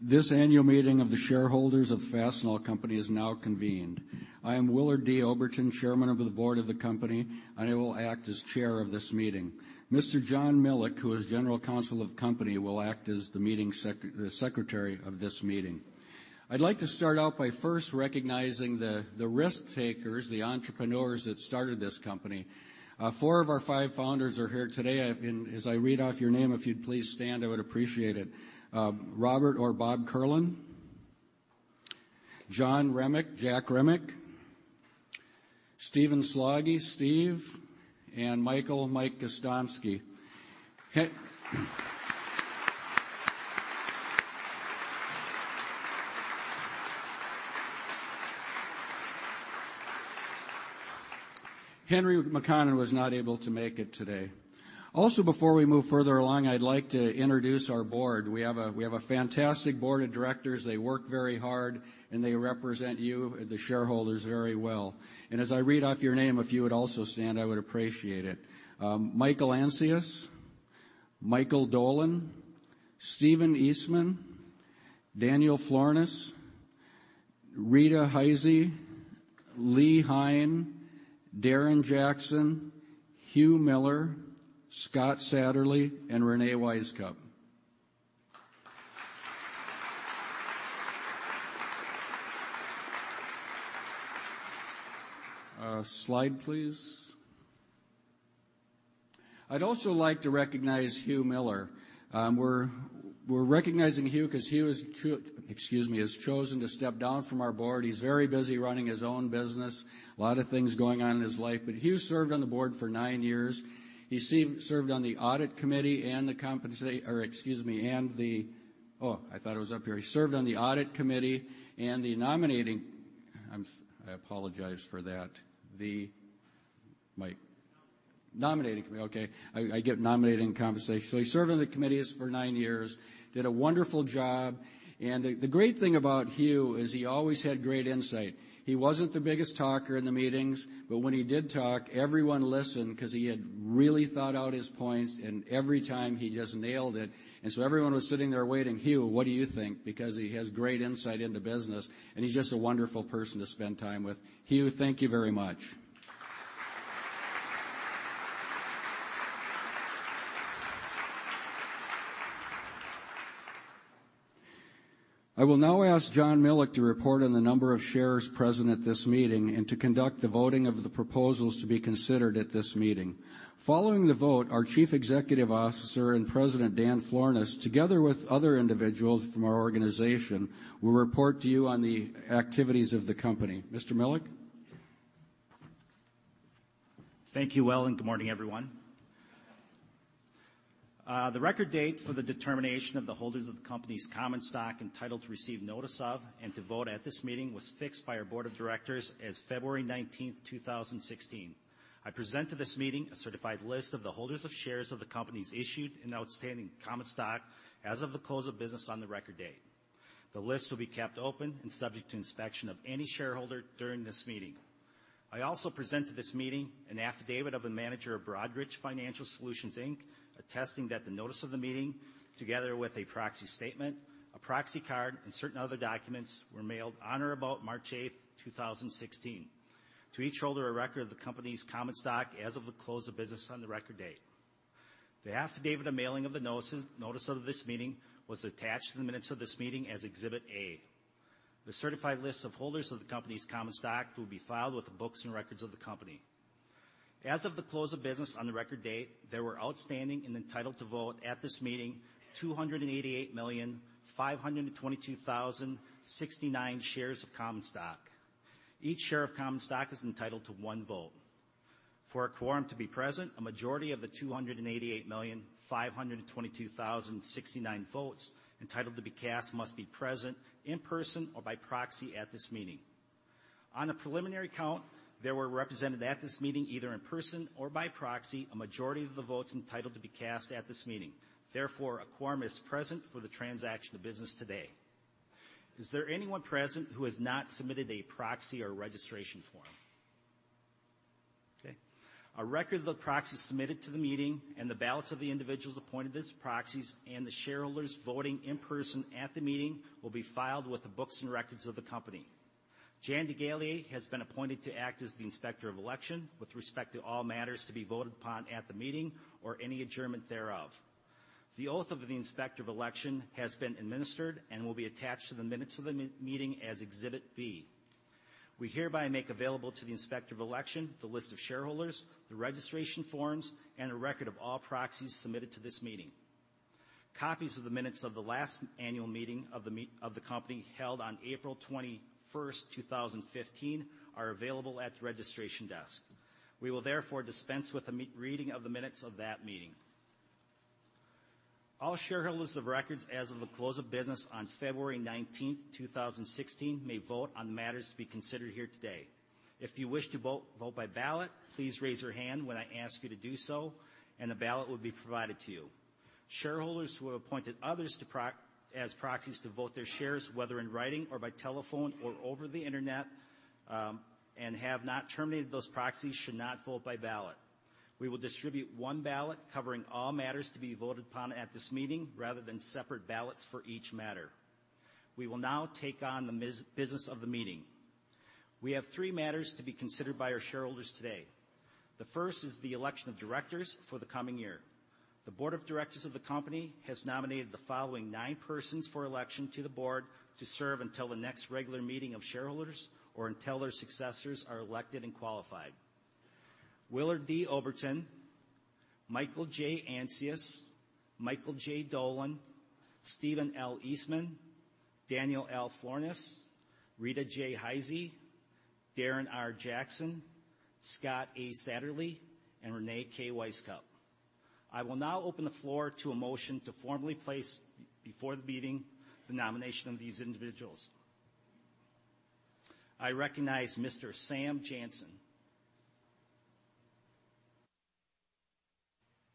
This annual meeting of the shareholders of Fastenal Company is now convened. I am Willard D. Oberton, Chairman of the Board of the company, and I will act as chair of this meeting. Mr. John Milek, who is General Counsel of the company, will act as the secretary of this meeting. I'd like to start out by first recognizing the risk-takers, the entrepreneurs that started this company. Four of our five founders are here today. As I read off your name, if you'd please stand, I would appreciate it. Robert Kierlin, Bob. John Remick, Jack. Stephen Slaggie, Steve. Michael Gostomski, Mike. Henry McConnon was not able to make it today. Before we move further along, I'd like to introduce our board. We have a fantastic Board of Directors. They work very hard, they represent you, the shareholders, very well. As I read off your name, if you would also stand, I would appreciate it. Michael Ancius. Michael Dolan. Stephen Eastman. Daniel Florness. Rita Heise. Lee Hein. Darren Jackson. Hugh Miller. Scott Satterlee. Reyne Wisecup. Slide, please. I'd also like to recognize Hugh Miller. We're recognizing Hugh 'cause Hugh, excuse me, has chosen to step down from our board. He's very busy running his own business. A lot of things going on in his life. Hugh served on the board for nine years. He served on the audit committee and the, excuse me, oh, I thought it was up here. He served on the audit committee and the nominating, I apologize for that. The...Mike. Nominating. Nominating committee, okay. I get nominating and compensation. He served on the committees for nine years. Did a wonderful job. The great thing about Hugh is he always had great insight. He wasn't the biggest talker in the meetings, but when he did talk, everyone listened because he had really thought out his points, and every time he just nailed it. Everyone was sitting there waiting, Hugh, what do you think? Because he has great insight into business, and he's just a wonderful person to spend time with. Hugh, thank you very much. I will now ask John Milek to report on the number of shares present at this meeting and to conduct the voting of the proposals to be considered at this meeting. Following the vote, our Chief Executive Officer and President, Dan Florness, together with other individuals from our organization, will report to you on the activities of the company. Mr. Milek. Thank you, Will. Good morning, everyone. The record date for the determination of the holders of the company's common stock entitled to receive notice of and to vote at this meeting was fixed by our board of directors as February 19th, 2016. I present to this meeting a certified list of the holders of shares of the company's issued in outstanding common stock as of the close of business on the record date. The list will be kept open and subject to inspection of any shareholder during this meeting. I also present to this meeting an affidavit of a manager of Broadridge Financial Solutions, Inc attesting that the notice of the meeting, together with a proxy statement, a proxy card and certain other documents were mailed on or about March 8th, 2016 to each holder of record of the company's common stock as of the close of business on the record date. The affidavit of mailing of the notices, notice of this meeting was attached to the minutes of this meeting as Exhibit A. The certified lists of holders of the company's common stock will be filed with the books and records of the company. As of the close of business on the record date, there were outstanding and entitled to vote at this meeting 288,522,069 shares of common stock. Each share of common stock is entitled to one vote. For a quorum to be present, a majority of the 288,522,069 votes entitled to be cast must be present in person or by proxy at this meeting. On a preliminary count, there were represented at this meeting, either in person or by proxy, a majority of the votes entitled to be cast at this meeting. Therefore, a quorum is present for the transaction of business today. Is there anyone present who has not submitted a proxy or registration form? Okay. A record of the proxies submitted to the meeting and the ballots of the individuals appointed as proxies and the shareholders voting in person at the meeting will be filed with the books and records of the company. Jan DeGale has been appointed to act as the Inspector of Election with respect to all matters to be voted upon at the meeting or any adjournment thereof. The oath of the Inspector of Election has been administered and will be attached to the minutes of the meeting as Exhibit B. We hereby make available to the Inspector of Election the list of shareholders, the registration forms, and a record of all proxies submitted to this meeting. Copies of the minutes of the last annual meeting of the company held on April 21st, 2015 are available at the registration desk. We will therefore dispense with the reading of the minutes of that meeting. All shareholders of records as of the close of business on February 19th, 2016 may vote on the matters to be considered here today. If you wish to vote by ballot, please raise your hand when I ask you to do so, and a ballot will be provided to you. Shareholders who have appointed others as proxies to vote their shares, whether in writing or by telephone or over the internet, and have not terminated those proxies should not vote by ballot. We will distribute one ballot covering all matters to be voted upon at this meeting, rather than separate ballots for each matter. We will now take on the business of the meeting. We have three matters to be considered by our shareholders today. The first is the election of directors for the coming year. The Board of Directors of the company has nominated the following nine persons for election to the board to serve until the next regular meeting of shareholders or until their successors are elected and qualified. Willard D. Oberton, Michael J. Ancius, Michael J. Dolan, Stephen L. Eastman, Daniel L. Florness, Rita J. Heise, Darren R. Jackson, Scott A. Satterlee, and Reyne K. Wisecup. I will now open the floor to a motion to formally place before the meeting the nomination of these individuals. I recognize Mr. Sam Jansen.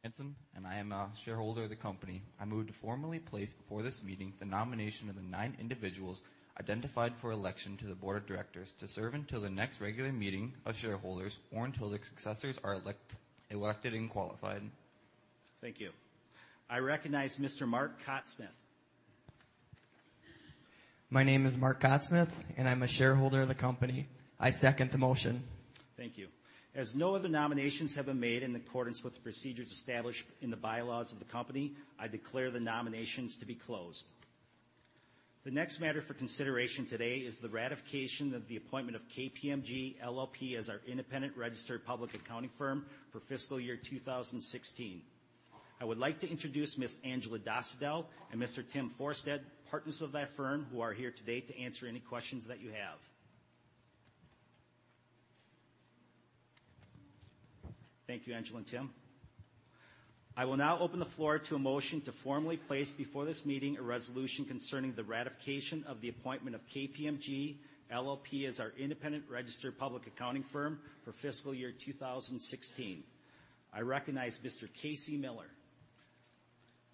My name is Sam Jansen, and I am a shareholder of the company. I move to formally place before this meeting the nomination of the nine individuals identified for election to the Board of Directors to serve until the next regular meeting of shareholders or until their successors are elected and qualified. Thank you. I recognize Mr. Mark Kotsmith. My name is Mark Kotsmith, and I'm a shareholder of the company. I second the motion. Thank you. As no other nominations have been made in accordance with the procedures established in the bylaws of the company, I declare the nominations to be closed. The next matter for consideration today is the ratification of the appointment of KPMG LLP as our independent registered public accounting firm for fiscal year 2016. I would like to introduce Ms. Angela Dosadel and Mr. Tim Forstad, partners of that firm, who are here today to answer any questions that you have. Thank you, Angela and Tim. I will now open the floor to a motion to formally place before this meeting a resolution concerning the ratification of the appointment of KPMG LLP as our independent registered public accounting firm for fiscal year 2016. I recognize Mr. Casey Miller.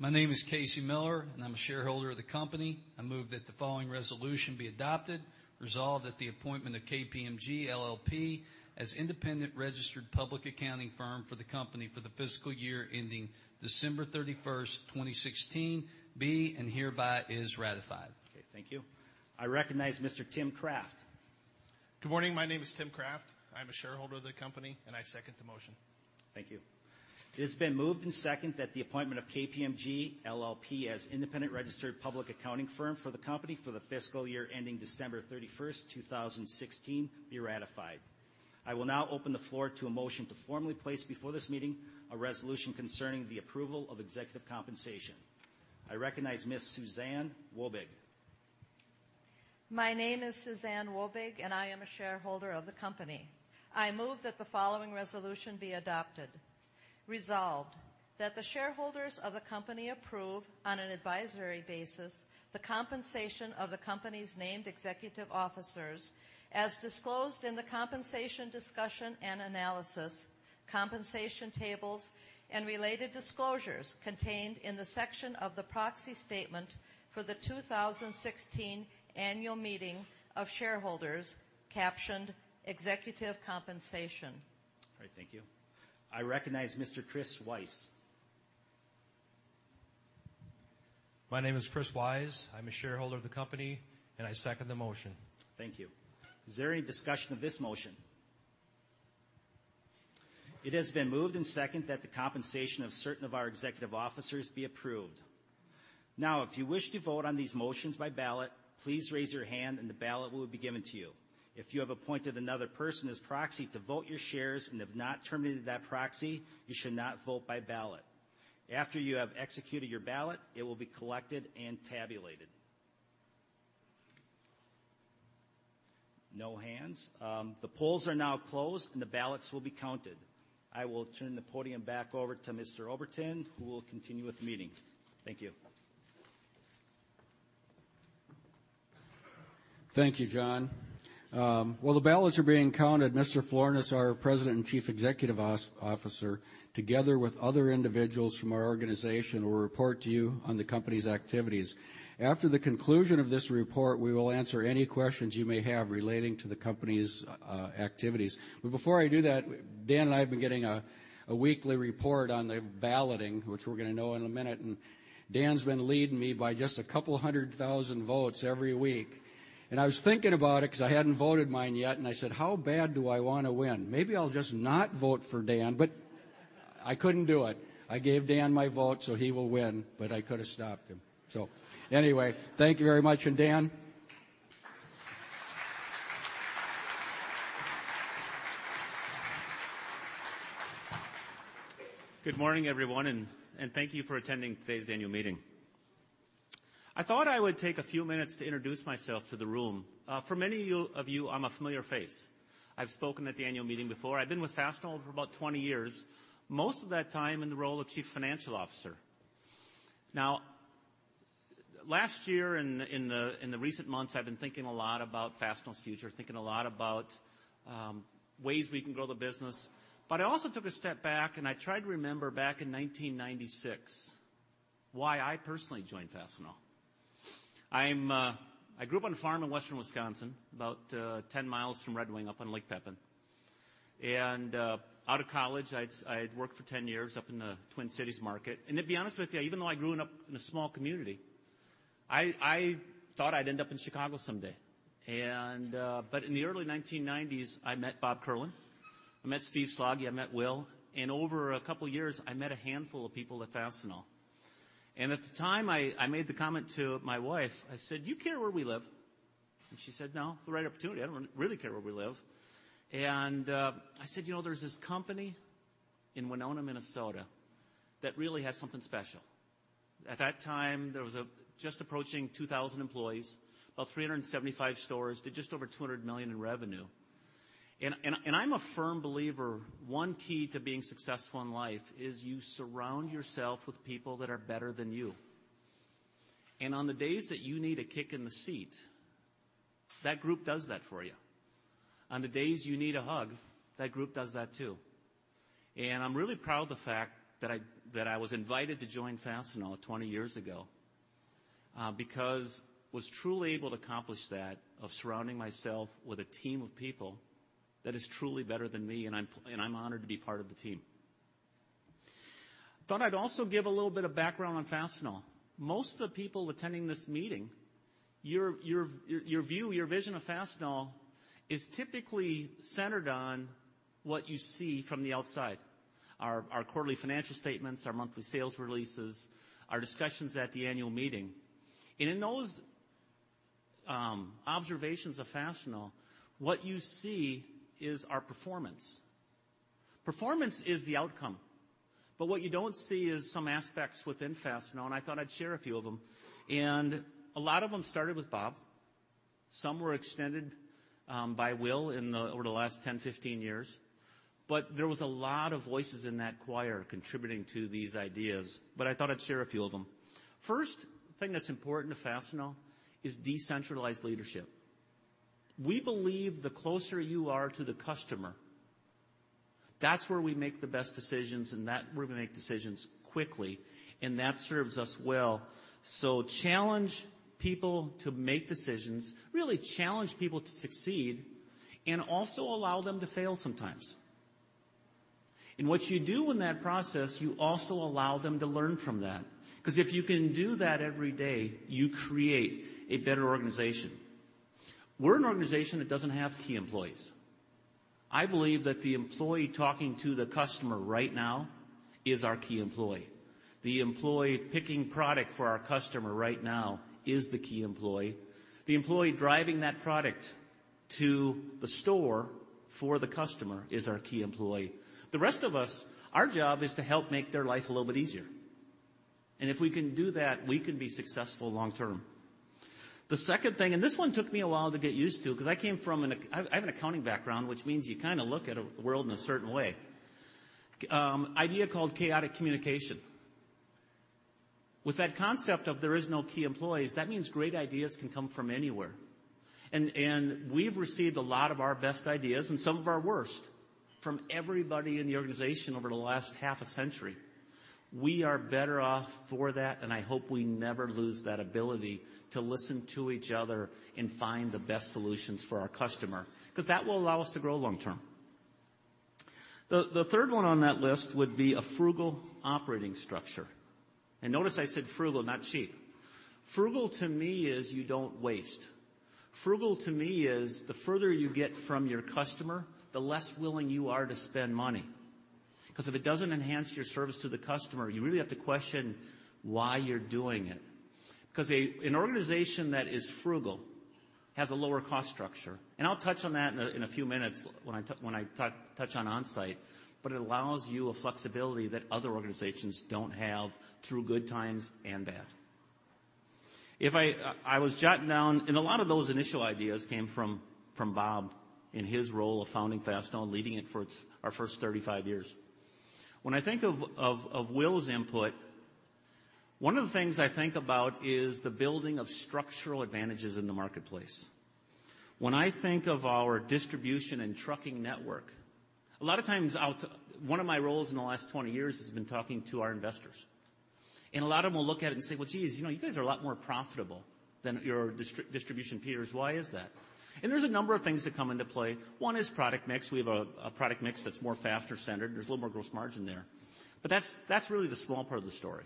My name is Casey Miller, and I'm a shareholder of the company. I move that the following resolution be adopted. Resolved that the appointment of KPMG LLP as independent registered public accounting firm for the company for the fiscal year ending December 31st, 2016 be and hereby is ratified. Okay. Thank you. I recognize Mr. Tim Kraft. Good morning. My name is Tim Kraft. I am a shareholder of the company, and I second the motion. Thank you. It has been moved and seconded that the appointment of KPMG LLP as independent registered public accounting firm for the company for the fiscal year ending December 31st, 2016 be ratified. I will now open the floor to a motion to formally place before this meeting a resolution concerning the approval of executive compensation. I recognize Miss Suzanne Woebeg. My name is Suzanne Woebeg. I am a shareholder of the company. I move that the following resolution be adopted. Resolved, that the shareholders of the company approve, on an advisory basis, the compensation of the company's named executive officers as disclosed in the compensation discussion and analysis, compensation tables, and related disclosures contained in the section of the proxy statement for the 2016 Annual Meeting of Shareholders captioned Executive Compensation. All right. Thank you. I recognize Mr. Chris Weiss My name is Chris Weiss. I'm a shareholder of the company, and I second the motion. Thank you. Is there any discussion of this motion? It has been moved and seconded that the compensation of certain of our executive officers be approved. If you wish to vote on these motions by ballot, please raise your hand and the ballot will be given to you. If you have appointed another person as proxy to vote your shares and have not terminated that proxy, you should not vote by ballot. After you have executed your ballot, it will be collected and tabulated. No hands. The polls are now closed, and the ballots will be counted. I will turn the podium back over to Mr. Oberton, who will continue with the meeting. Thank you. Thank you, John. While the ballots are being counted, Mr. Florness, our President and Chief Executive Officer, together with other individuals from our organization, will report to you on the company's activities. After the conclusion of this report, we will answer any questions you may have relating to the company's activities. Before I do that, Dan and I have been getting a weekly report on the balloting, which we're gonna know in a minute, and Dan's been leading me by just 200,000 votes every week. I was thinking about it 'cause I hadn't voted mine yet, and I said, how bad do I wanna win? Maybe I'll just not vote for Dan. I couldn't do it. I gave Dan my vote, he will win, I could have stopped him. Anyway, thank you very much. Dan? Good morning, everyone, and thank you for attending today's annual meeting. I thought I would take a few minutes to introduce myself to the room. For many of you, I'm a familiar face. I've spoken at the annual meeting before. I've been with Fastenal for about 20 years, most of that time in the role of Chief Financial Officer. Last year and in the recent months, I've been thinking a lot about Fastenal's future, thinking a lot about ways we can grow the business. I also took a step back, and I tried to remember back in 1996 why I personally joined Fastenal. I grew up on a farm in Western Wisconsin, about 10 mi from Red Wing up on Lake Pepin. Out of college, I had worked for 10 years up in the Twin Cities market. To be honest with you, even though I grew up in a small community, I thought I'd end up in Chicago someday. But in the early 1990s, I met Bob Kierlin, I met Steve Slaggie, I met Will, and over a couple years, I met a handful of people at Fastenal. At the time, I made the comment to my wife, I said, do you care where we live? She said, no. The right opportunity. I don't really care where we live. I said, you know, there's this company in Winona, Minnesota, that really has something special. At that time, there was just approaching 2,000 employees, about 375 stores. Did just over $200 million in revenue. I'm a firm believer, one key to being successful in life is you surround yourself with people that are better than you. On the days that you need a kick in the seat, that group does that for you. On the days you need a hug, that group does that too. I'm really proud of the fact that I was invited to join Fastenal 20 years ago, because was truly able to accomplish that, of surrounding myself with a team of people that is truly better than me, and I'm honored to be part of the team. Thought I'd also give a little bit of background on Fastenal. Most of the people attending this meeting, your view, your vision of Fastenal is typically centered on what you see from the outside, our quarterly financial statements, our monthly sales releases, our discussions at the annual meeting. In those observations of Fastenal, what you see is our performance. Performance is the outcome. What you don't see is some aspects within Fastenal, and I thought I'd share a few of them. A lot of them started with Bob. Some were extended by Will over the last 10, 15 years. There was a lot of voices in that choir contributing to these ideas. I thought I'd share a few of them. First thing that's important to Fastenal is decentralized leadership. We believe the closer you are to the customer, that's where we make the best decisions, and that we're gonna make decisions quickly, and that serves us well. Challenge people to make decisions. Really challenge people to succeed, and also allow them to fail sometimes. What you do in that process, you also allow them to learn from that. 'Cause if you can do that every day, you create a better organization. We're an organization that doesn't have key employees. I believe that the employee talking to the customer right now is our key employee. The employee picking product for our customer right now is the key employee. The employee driving that product to the store for the customer is our key employee. The rest of us, our job is to help make their life a little bit easier. If we can do that, we can be successful long term. The second thing, this one took me a while to get used to 'cause I have an accounting background, which means you kinda look at a world in a certain way. Idea called chaotic communication. With that concept of there is no key employees, that means great ideas can come from anywhere. We've received a lot of our best ideas, and some of our worst, from everybody in the organization over the last 50 years. We are better off for that, and I hope we never lose that ability to listen to each other and find the best solutions for our customer, 'cause that will allow us to grow long term. The third one on that list would be a frugal operating structure. Notice I said frugal, not cheap. Frugal to me is you don't waste. Frugal to me is the further you get from your customer, the less willing you are to spend money. 'Cause if it doesn't enhance your service to the customer, you really have to question why you're doing it. 'Cause an organization that is frugal has a lower cost structure, I'll touch on that in a few minutes when I touch on Onsite, but it allows you a flexibility that other organizations don't have through good times and bad. A lot of those initial ideas came from Bob in his role of founding Fastenal and leading it for our first 35 years. When I think of Will's input, one of the things I think about is the building of structural advantages in the marketplace. When I think of our distribution and trucking network, a lot of times—One of my roles in the last 20 years has been talking to our investors. A lot of them will look at it and say, well, geez, you know, you guys are a lot more profitable than your distribution peers. Why is that? There's a number of things that come into play. One is product mix. We have a product mix that's more fastener-centered. There's a little more gross margin there. But that's really the small part of the story.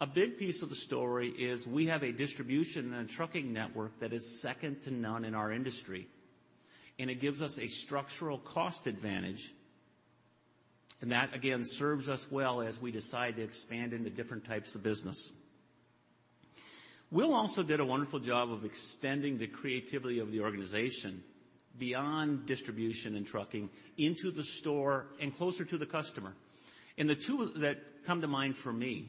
A big piece of the story is we have a distribution and trucking network that is second to none in our industry, and it gives us a structural cost advantage. That, again, serves us well as we decide to expand into different types of business. Will also did a wonderful job of extending the creativity of the organization beyond distribution and trucking into the store and closer to the customer. The two that come to mind for me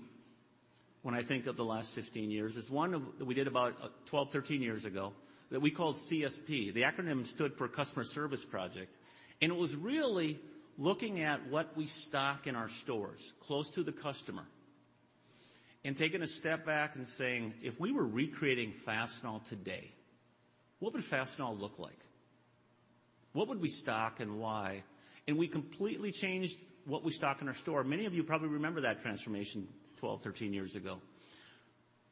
when I think of the last 15 years is one of, that we did about 12, 13 years ago that we called CSP. The acronym stood for Customer Service Project, and it was really looking at what we stock in our stores close to the customer and taking a step back and saying, if we were recreating Fastenal today, what would Fastenal look like? What would we stock and why? We completely changed what we stock in our store. Many of you probably remember that transformation 12, 13 years ago.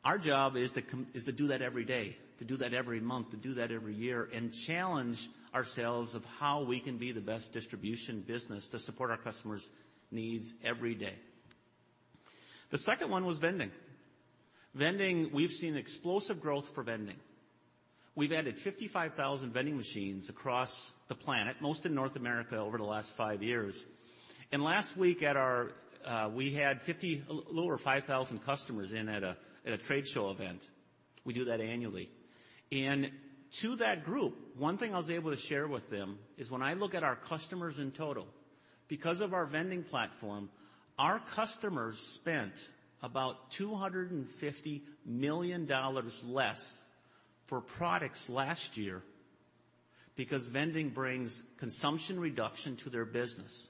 Our job is to do that every day, to do that every month, to do that every year, and challenge ourselves of how we can be the best distribution business to support our customers' needs every day. The second one was vending. Vending, we've seen explosive growth for vending. We've added 55,000 vending machines across the planet, most in North America over the last five years. Last week, we had a little over 5,000 customers in at a trade show event. We do that annually. To that group, one thing I was able to share with them is when I look at our customers in total, because of our vending platform, our customers spent about $250 million less for products last year because vending brings consumption reduction to their business.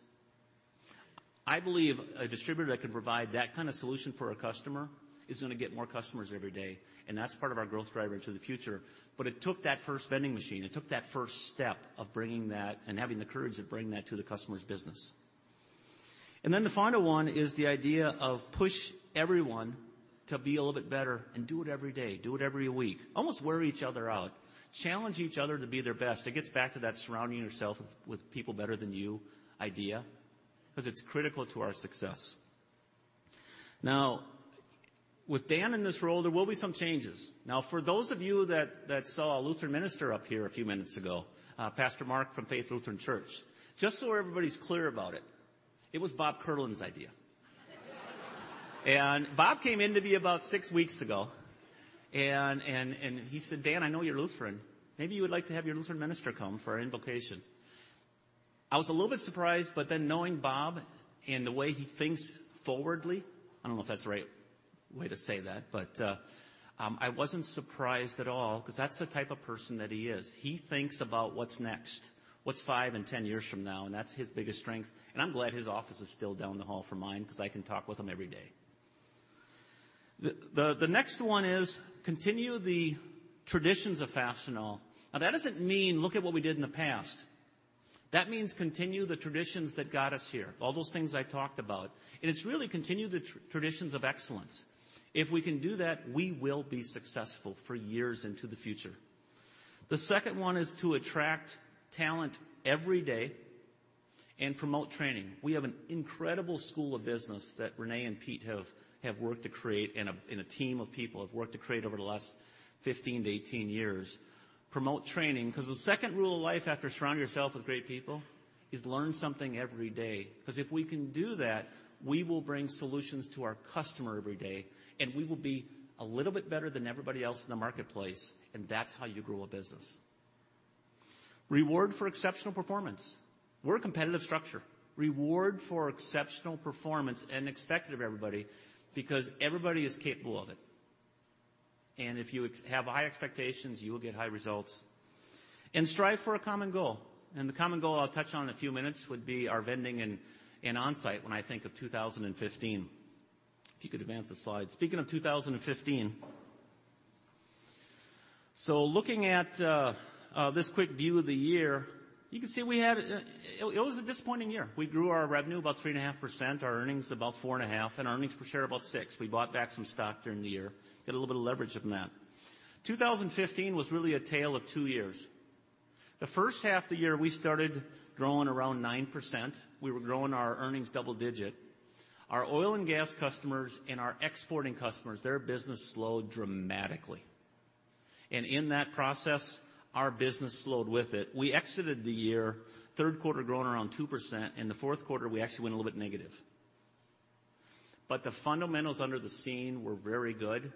I believe a distributor that can provide that kind of solution for a customer is gonna get more customers every day, that's part of our growth driver into the future. It took that first vending machine. It took that first step of bringing that and having the courage to bring that to the customer's business. The final one is the idea of push everyone to be a little bit better and do it every day, do it every week. Almost wear each other out. Challenge each other to be their best. It gets back to that surrounding yourself with people better than you idea, 'cause it's critical to our success. Now, with Dan in this role, there will be some changes. Now, for those of you that saw a Lutheran minister up here a few minutes ago, Pastor Mark from Faith Lutheran Church, just so everybody's clear about it, it was Bob Kierlin's idea. Bob came in to me about six weeks ago and he said, Dan, I know you're Lutheran. Maybe you would like to have your Lutheran minister come for an invocation. I was a little bit surprised, but then knowing Bob and the way he thinks forwardly, I don't know if that's the right way to say that, but I wasn't surprised at all, 'cause that's the type of person that he is. He thinks about what's next, what's 5 and 10 years from now, and that's his biggest strength. I'm glad his office is still down the hall from mine, 'cause I can talk with him every day. The next one is continue the traditions of Fastenal. That doesn't mean look at what we did in the past. That means continue the traditions that got us here, all those things I talked about, and it's really continue the traditions of excellence. If we can do that, we will be successful for years into the future. The second one is to attract talent every day and promote training. We have an incredible school of business that Reyne and Pete have worked to create, and a team of people have worked to create over the last 15 to 18 years. Promote training, 'cause the second rule of life after surround yourself with great people is learn something every day. If we can do that, we will bring solutions to our customer every day, and we will be a little bit better than everybody else in the marketplace, and that's how you grow a business. Reward for exceptional performance. We're a competitive structure. Reward for exceptional performance and expect it of everybody, because everybody is capable of it. If you have high expectations, you will get high results. Strive for a common goal. The common goal I'll touch on in a few minutes would be our vending and Onsite when I think of 2015. If you could advance the slide. Speaking of 2015. Looking at this quick view of the year, you can see we had a disappointing year. We grew our revenue about 3.5%, our earnings about 4.5%, and earnings per share about 6%. We bought back some stock during the year, get a little bit of leverage from that. 2015 was really a tale of two years. The first half of the year, we started growing around 9%. We were growing our earnings double-digit. Our oil and gas customers and our exporting customers, their business slowed dramatically. In that process, our business slowed with it. We exited the year third quarter growing around 2%. In the fourth quarter, we actually went a little bit negative. The fundamentals under the scene were very good,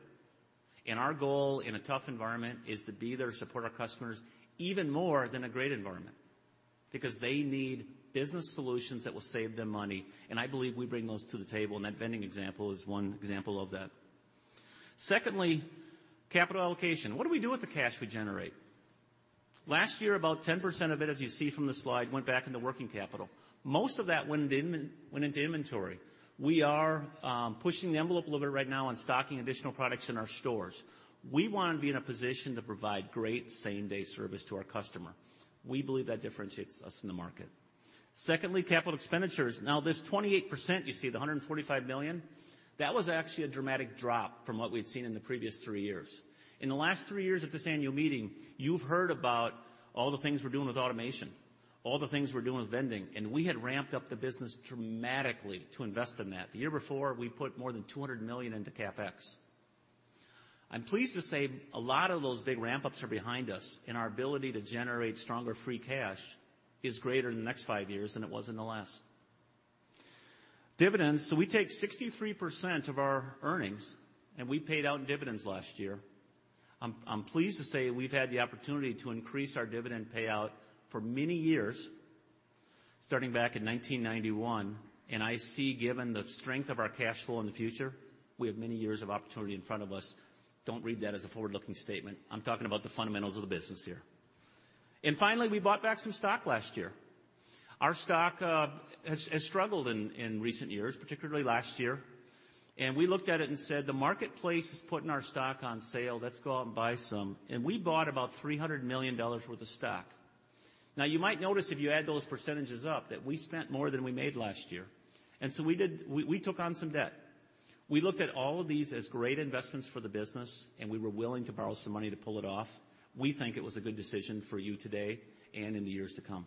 and our goal in a tough environment is to be there to support our customers even more than a great environment because they need business solutions that will save them money, and I believe we bring those to the table, and that vending example is one example of that. Secondly, capital allocation. What do we do with the cash we generate? Last year, about 10% of it, as you see from the slide, went back into working capital. Most of that went into inventory. We are pushing the envelope a little bit right now on stocking additional products in our stores. We wanna be in a position to provide great same-day service to our customer. We believe that differentiates us in the market. Secondly, capital expenditures. This 28% you see, the $145 million, that was actually a dramatic drop from what we'd seen in the previous three years. In the last three years at this annual meeting, you've heard about all the things we're doing with automation, all the things we're doing with vending, and we had ramped up the business dramatically to invest in that. The year before, we put more than $200 million into CapEx. I'm pleased to say a lot of those big ramp-ups are behind us, and our ability to generate stronger free cash is greater in the next five years than it was in the last. Dividends. We take 63% of our earnings, and we paid out in dividends last year. I'm pleased to say we've had the opportunity to increase our dividend payout for many years, starting back in 1991. I see, given the strength of our cash flow in the future, we have many years of opportunity in front of us. Don't read that as a forward-looking statement. I'm talking about the fundamentals of the business here. Finally, we bought back some stock last year. Our stock has struggled in recent years, particularly last year. We looked at it and said, the marketplace is putting our stock on sale. Let's go out and buy some. We bought about $300 million worth of stock. Now, you might notice if you add those percentages up that we spent more than we made last year. We took on some debt. We looked at all of these as great investments for the business, and we were willing to borrow some money to pull it off. We think it was a good decision for you today and in the years to come.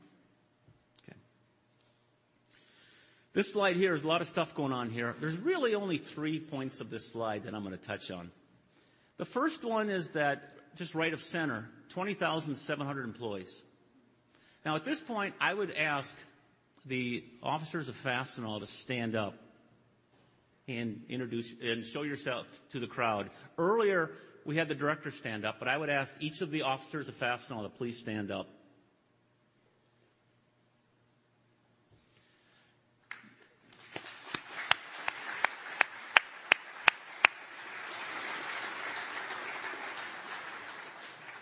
Okay. This slide here, there's a lot of stuff going on here. There's really only three points of this slide that I'm gonna touch on. The first one is that, just right of center, 20,700 employees. Now, at this point, I would ask the officers of Fastenal to stand up and show yourself to the crowd. Earlier, we had the directors stand up, but I would ask each of the officers of Fastenal to please stand up.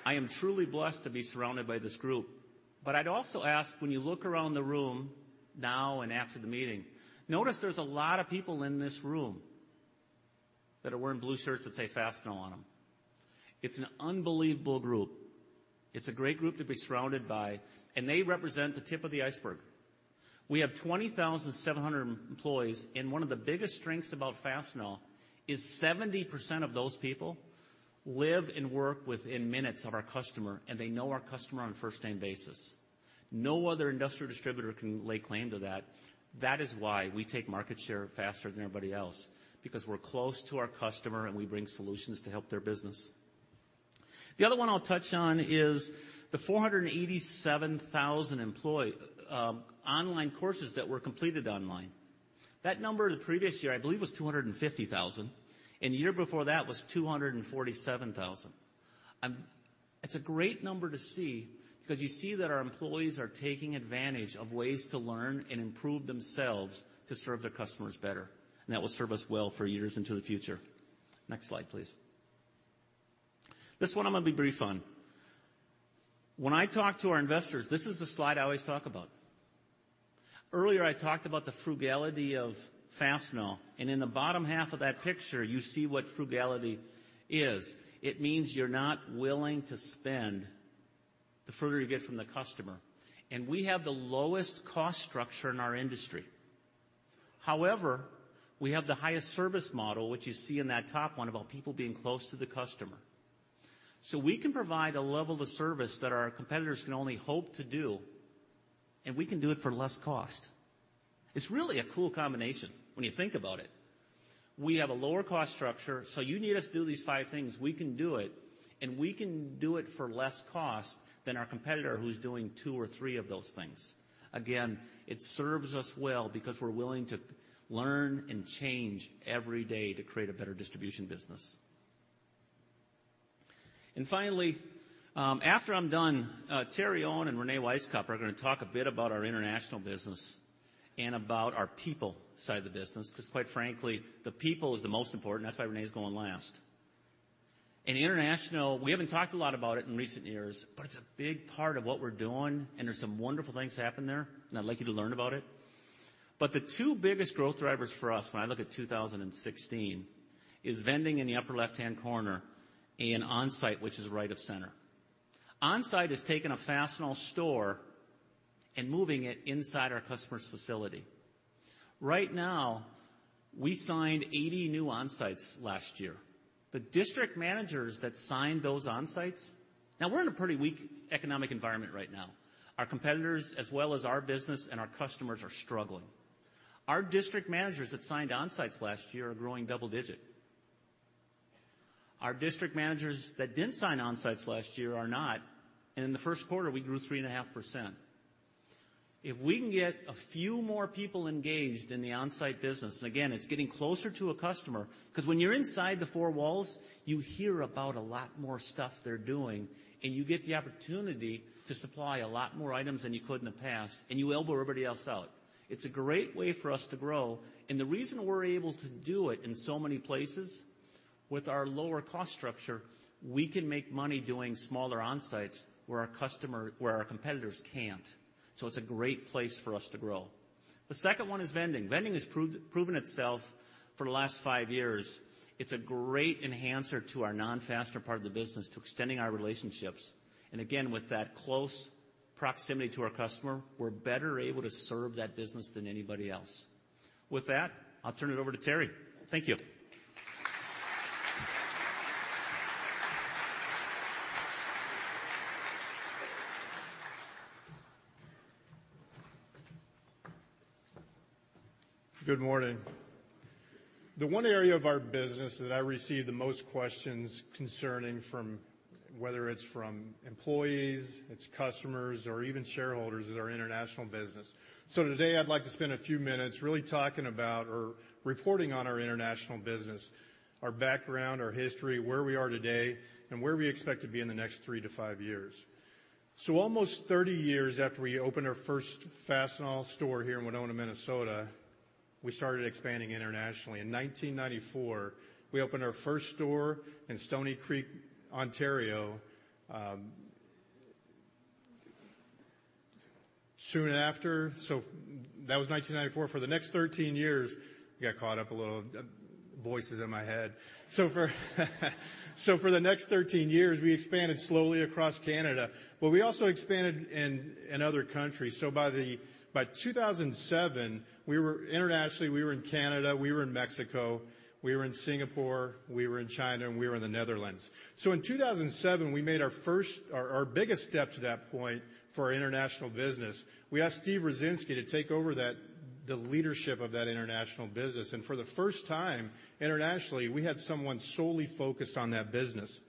I am truly blessed to be surrounded by this group. I'd also ask, when you look around the room now and after the meeting, notice there's a lot of people in this room that are wearing blue shirts that say Fastenal on them. It's an unbelievable group. It's a great group to be surrounded by, and they represent the tip of the iceberg. We have 20,700 employees, and one of the biggest strengths about Fastenal is 70% of those people live and work within minutes of our customer, and they know our customer on a first-name basis. No other industrial distributor can lay claim to that. That is why we take market share faster than everybody else, because we're close to our customer, and we bring solutions to help their business. The other one I'll touch on is the 487,000 online courses that were completed online. That number the previous year, I believe, was 250,000, and the year before that was 247,000. It's a great number to see because you see that our employees are taking advantage of ways to learn and improve themselves to serve their customers better, and that will serve us well for years into the future. Next slide, please. This one I'm gonna be brief on. When I talk to our investors, this is the slide I always talk about. Earlier, I talked about the frugality of Fastenal, and in the bottom half of that picture, you see what frugality is. It means you're not willing to spend the further you get from the customer, and we have the lowest cost structure in our industry. However, we have the highest service model, which you see in that top one about people being close to the customer. We can provide a level of service that our competitors can only hope to do, and we can do it for less cost. It's really a cool combination when you think about it. We have a lower cost structure, so you need us to do these five things, we can do it, and we can do it for less cost than our competitor who's doing two or three of those things. Again, it serves us well because we're willing to learn and change every day to create a better distribution business. Finally, after I'm done, Terry Owen and Reyne Wisecup are gonna talk a bit about our international business and about our people side of the business because, quite frankly, the people is the most important. That's why Reyne is going last. International, we haven't talked a lot about it in recent years, it's a big part of what we're doing, and there's some wonderful things happening there, and I'd like you to learn about it. The two biggest growth drivers for us when I look at 2016 is vending in the upper left-hand corner and Onsite, which is right of center. Onsite has taken a Fastenal store and moving it inside our customer's facility. Right now, we signed 80 new Onsites last year. The district managers that signed those Onsites— Now we're in a pretty weak economic environment right now. Our competitors, as well as our business and our customers, are struggling. Our district managers that signed Onsites last year are growing double-digit. Our district managers that didn't sign Onsites last year are not, and in the first quarter, we grew 3.5%. If we can get a few more people engaged in the Onsite business, and again, it's getting closer to a customer, 'cause when you're inside the four walls, you hear about a lot more stuff they're doing, and you get the opportunity to supply a lot more items than you could in the past, and you elbow everybody else out. It's a great way for us to grow. The reason we're able to do it in so many places, with our lower cost structure, we can make money doing smaller Onsites where our competitors can't. It's a great place for us to grow. The second one is vending. Vending has proven itself for the last five years. It's a great enhancer to our non-fastener part of the business to extending our relationships. Again, with that close proximity to our customer, we're better able to serve that business than anybody else. With that, I'll turn it over to Terry. Thank you. Good morning. The one area of our business that I receive the most questions concerning from, whether it's from employees, it's customers, or even shareholders, is our international business. Today I'd like to spend a few minutes really talking about or reporting on our international business, our background, our history, where we are today, and where we expect to be in the next three to five years. Almost 30 years after we opened our first Fastenal store here in Winona, Minnesota, we started expanding internationally. In 1994, we opened our first store in Stoney Creek, Ontario. Soon after, that was 1994. For the next 13 years—I got caught up a little. Voices in my head. For the next 13 years, we expanded slowly across Canada, but we also expanded in other countries. By 2007, internationally, we were in Canada, we were in Mexico, we were in Singapore, we were in China, and we were in the Netherlands. In 2007, we made our biggest step to that point for our international business. We asked Steve Rucinski to take over the leadership of that international business. For the first time, internationally, we had someone solely focused on that business.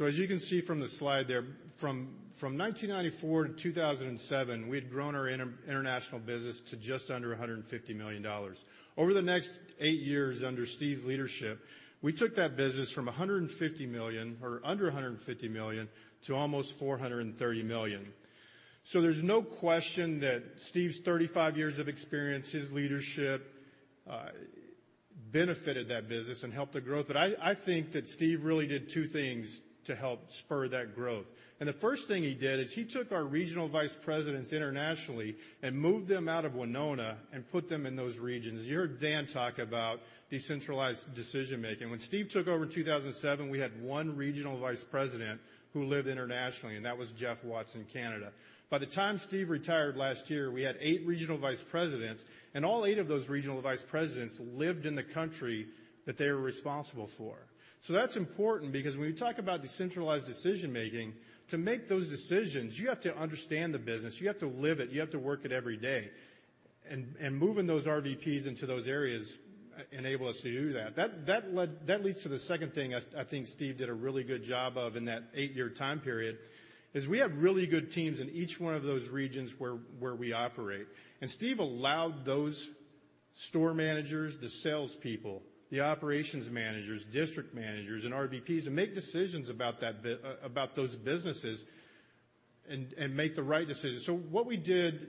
As you can see from the slide there, from 1994 to 2007, we had grown our international business to just under $150 million. Over the next eight years, under Steve's leadership, we took that business from $150 million, or under $150 million to almost $430 million. There's no question that Steve's 35 years of experience, his leadership, benefited that business and helped the growth. I think that Steve really did two things to help spur that growth. The first thing he did is he took our Regional Vice Presidents internationally and moved them out of Winona and put them in those regions. You heard Dan talk about decentralized decision-making. When Steve took over in 2007, we had one Regional Vice President who lived internationally, and that was Jeff Watts in Canada. By the time Steve retired last year, we had eight Regional Vice Presidents, and all eight of those Regional Vice Presidents lived in the country that they were responsible for. That's important because when we talk about decentralized decision-making, to make those decisions, you have to understand the business, you have to live it, you have to work it every day. Moving those RVPs into those areas enabled us to do that. That leads to the second thing I think Steve did a really good job of in that eight-year time period, is we have really good teams in each one of those regions where we operate. Steve allowed those store managers, the salespeople, the operations managers, district managers, and RVPs to make decisions about those businesses and make the right decisions. What we did,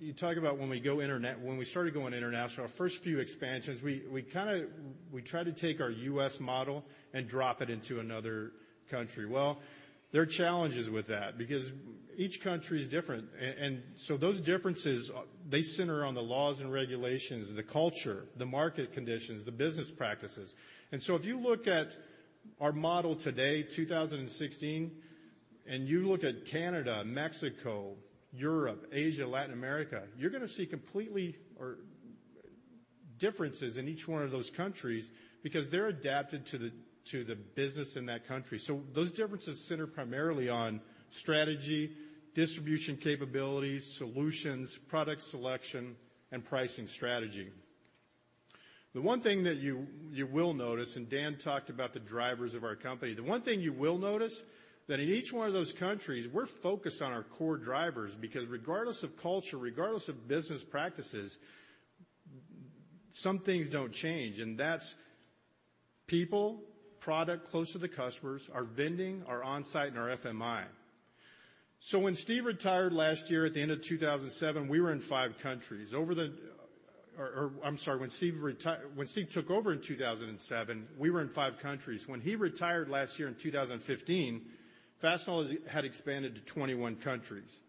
you talk about when we started going international, our first few expansions, we tried to take our U.S. model and drop it into another country. There are challenges with that because each country is different. Those differences, they center on the laws and regulations, the culture, the market conditions, the business practices. If you look at our model today, 2016, and you look at Canada, Mexico, Europe, Asia, Latin America, you're gonna see differences in each one of those countries because they're adapted to the business in that country. Those differences center primarily on strategy, distribution capabilities, solutions, product selection, and pricing strategy. The one thing that you will notice, Dan talked about the drivers of our company, the one thing you will notice, that in each one of those countries, we're focused on our core drivers because regardless of culture, regardless of business practices, some things don't change. That's people, product close to the customers, our vending, our Onsite, and our FMI. When Steve retired last year at the end of 2007, we were in five countries. I'm sorry. When Steve took over in 2007, we were in five countries. When he retired last year in 2015, Fastenal had expanded to 21 countries.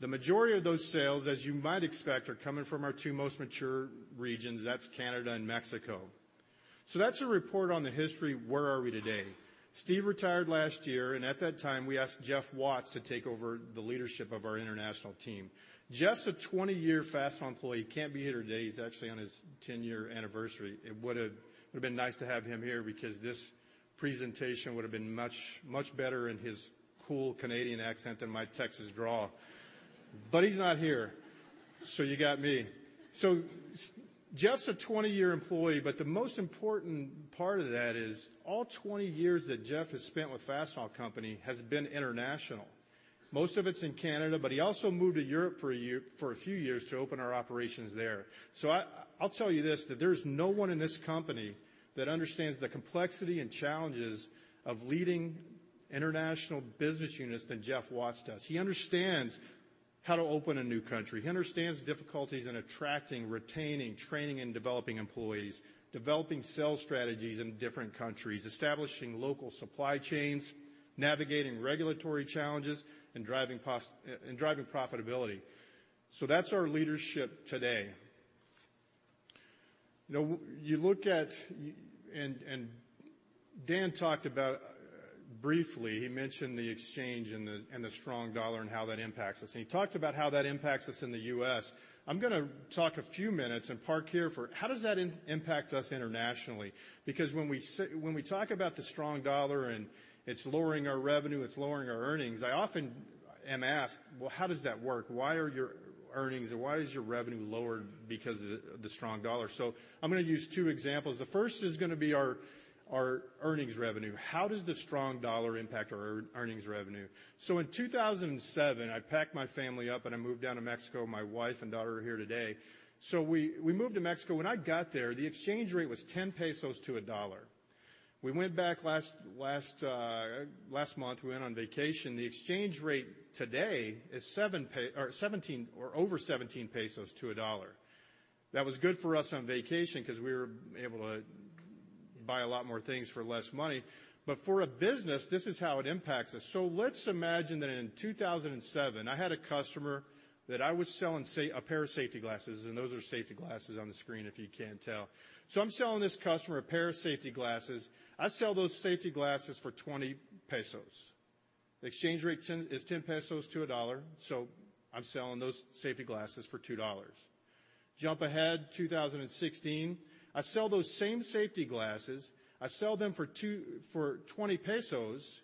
The majority of those sales, as you might expect, are coming from our two most mature regions, that's Canada and Mexico. That's a report on the history. Where are we today? Steve retired last year. At that time, we asked Jeff Watts to take over the leadership of our international team. Jeff's a 20-year Fastenal employee. He can't be here today. He's actually on his 10-year anniversary. It would've been nice to have him here because this presentation would've been much better in his cool Canadian accent than my Texas drawl. He's not here, you got me. Jeff's a 20-year employee, the most important part of that is all 20 years that Jeff has spent with Fastenal Company has been international. Most of it's in Canada, he also moved to Europe for a few years to open our operations there. I'll tell you this, that there's no one in this company that understands the complexity and challenges of leading international business units than Jeff Watts does. He understands how to open a new country. He understands the difficulties in attracting, retaining, training, and developing employees, developing sales strategies in different countries, establishing local supply chains, navigating regulatory challenges, and driving profitability. That's our leadership today. You look at and—Dan talked about briefly, he mentioned the exchange and the strong dollar and how that impacts us, and he talked about how that impacts us in the U.S. I'm gonna talk a few minutes and park here for—How does that impact us internationally? When we talk about the strong dollar and it's lowering our revenue, it's lowering our earnings, I often am asked, well, how does that work? Why are your earnings or why is your revenue lower because of the strong dollar? I'm gonna use two examples. The first is gonna be our earnings revenue. How does the strong dollar impact our earnings revenue? In 2007, I packed my family up, and I moved down to Mexico. My wife and daughter are here today. We moved to Mexico. When I got there, the exchange rate was 10 pesos to $1. We went back last month, we went on vacation. The exchange rate today is over 17 pesos to $1. That was good for us on vacation because we were able to buy a lot more things for less money. For a business, this is how it impacts us. Let's imagine that in 2007, I had a customer that I was selling, say, a pair of safety glasses, and those are safety glasses on the screen if you can't tell. I'm selling this customer a pair of safety glasses. I sell those safety glasses for 20 pesos. The exchange rate is 10 pesos to $1, I'm selling those safety glasses for $2. Jump ahead 2016, I sell those same safety glasses. I sell them for 20 pesos.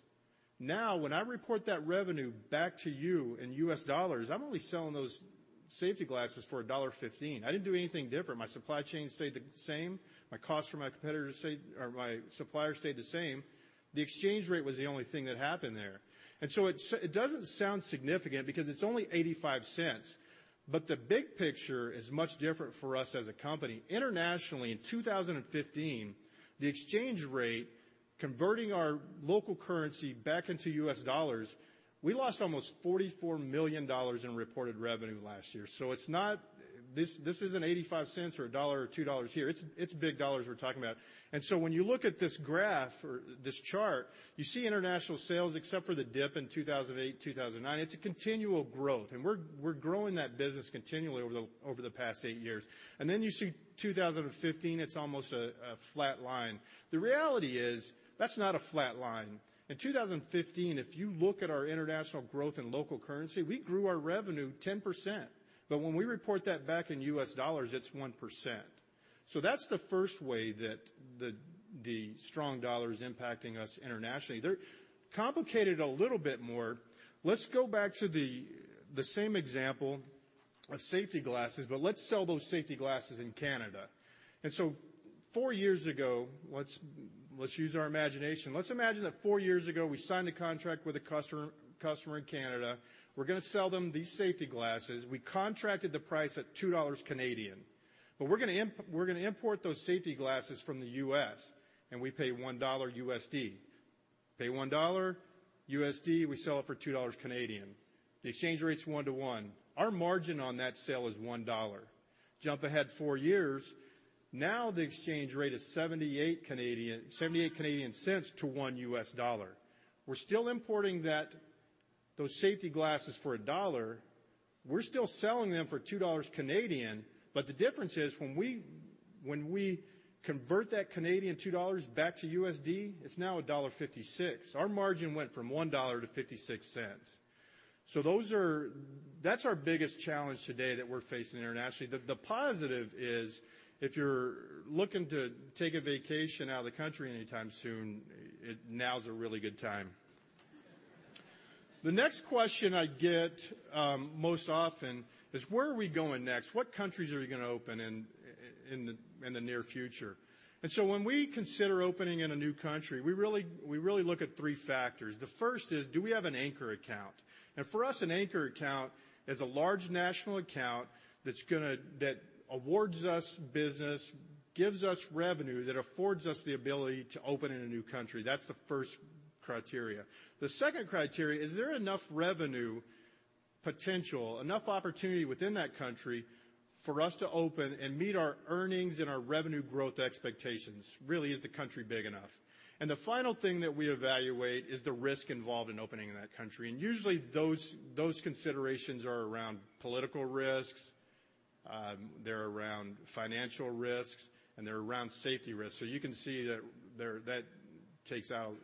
When I report that revenue back to you in U.S. dollars, I'm only selling those safety glasses for $1.15. I didn't do anything different. My supply chain stayed the same. My cost for my competitors or my suppliers stayed the same. The exchange rate was the only thing that happened there. It doesn't sound significant because it's only $0.85, but the big picture is much different for us as a company. Internationally, in 2015, the exchange rate, converting our local currency back into U.S. dollars, we lost almost $44 million in reported revenue last year. This isn't $0.85 or $1 or $2 here. It's big dollars we're talking about. When you look at this graph or this chart, you see international sales, except for the dip in 2008, 2009, it's a continual growth, and we're growing that business continually over the past eight years. You see 2015, it's almost a flat line. The reality is that's not a flat line. In 2015, if you look at our international growth in local currency, we grew our revenue 10%. When we report that back in U.S. dollars, it's 1%. That's the first way that the strong dollar is impacting us internationally. Complicated a little bit more, let's go back to the same example of safety glasses, but let's sell those safety glasses in Canada. Four years ago, let's use our imagination. Let's imagine that four years ago, we signed a contract with a customer in Canada. We're gonna sell them these safety glasses. We contracted the price at 2 Canadian dollars. We're gonna import those safety glasses from the U.S., and we pay $1. Pay $1, we sell it for 2 Canadian dollars. The exchange rate's 1:1. Our margin on that sale is $1. Jump ahead four years, now the exchange rate is 0.78 to $1. We're still importing those safety glasses for $1. We're still selling them for 2 Canadian dollars, but the difference is when we convert that 2 Canadian dollars back to U.S. dollar, it's now $1.56. Our margin went from $1 to $0.56. That's our biggest challenge today that we're facing internationally. The positive is if you're looking to take a vacation out of the country anytime soon, now's a really good time. The next question I get most often is, where are we going next? What countries are we gonna open in the near future? When we consider opening in a new country, we really look at three factors. The first is, do we have an anchor account? For us, an anchor account is a large national account that awards us business, gives us revenue that affords us the ability to open in a new country. That's the first criteria. The second criteria is, is there enough revenue potential, enough opportunity within that country for us to open and meet our earnings and our revenue growth expectations? Really, is the country big enough? The final thing that we evaluate is the risk involved in opening in that country. Usually, those considerations are around political risks, they're around financial risks, and they're around safety risks. You can see that takes out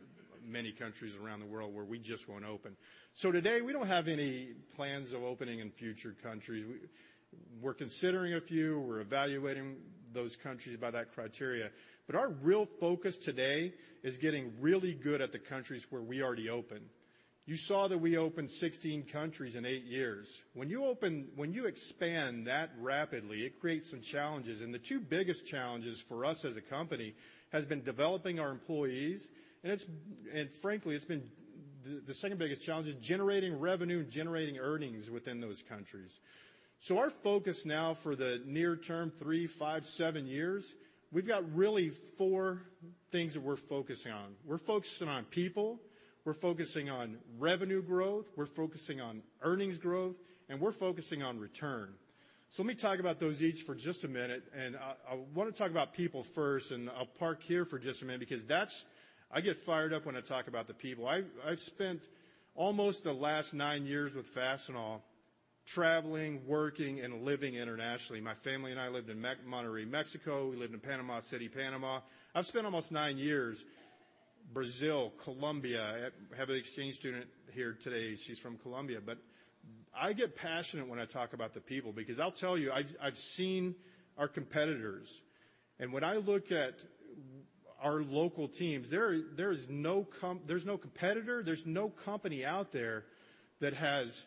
many countries around the world where we just won't open. Today, we don't have any plans of opening in future countries. We're considering a few. We're evaluating those countries by that criteria. Our real focus today is getting really good at the countries where we already open. You saw that we opened 16 countries in eight years. When you expand that rapidly, it creates some challenges, and the two biggest challenges for us as a company has been developing our employees and frankly, the second biggest challenge is generating revenue and generating earnings within those countries. Our focus now for the near term, three, five, seven years, we've got really four things that we're focusing on. We're focusing on people, we're focusing on revenue growth, we're focusing on earnings growth, and we're focusing on return. Let me talk about those each for just a minute, and I wanna talk about people first, and I'll park here for just a minute because I get fired up when I talk about the people. I've spent almost the last nine years with Fastenal traveling, working, and living internationally. My family and I lived in Monterrey, Mexico. We lived in Panama City, Panama. I've spent almost nine years, Brazil, Colombia. I have an exchange student here today, she's from Colombia. I get passionate when I talk about the people because I'll tell you, I've seen our competitors. When I look at our local teams, there's no competitor, there's no company out there that has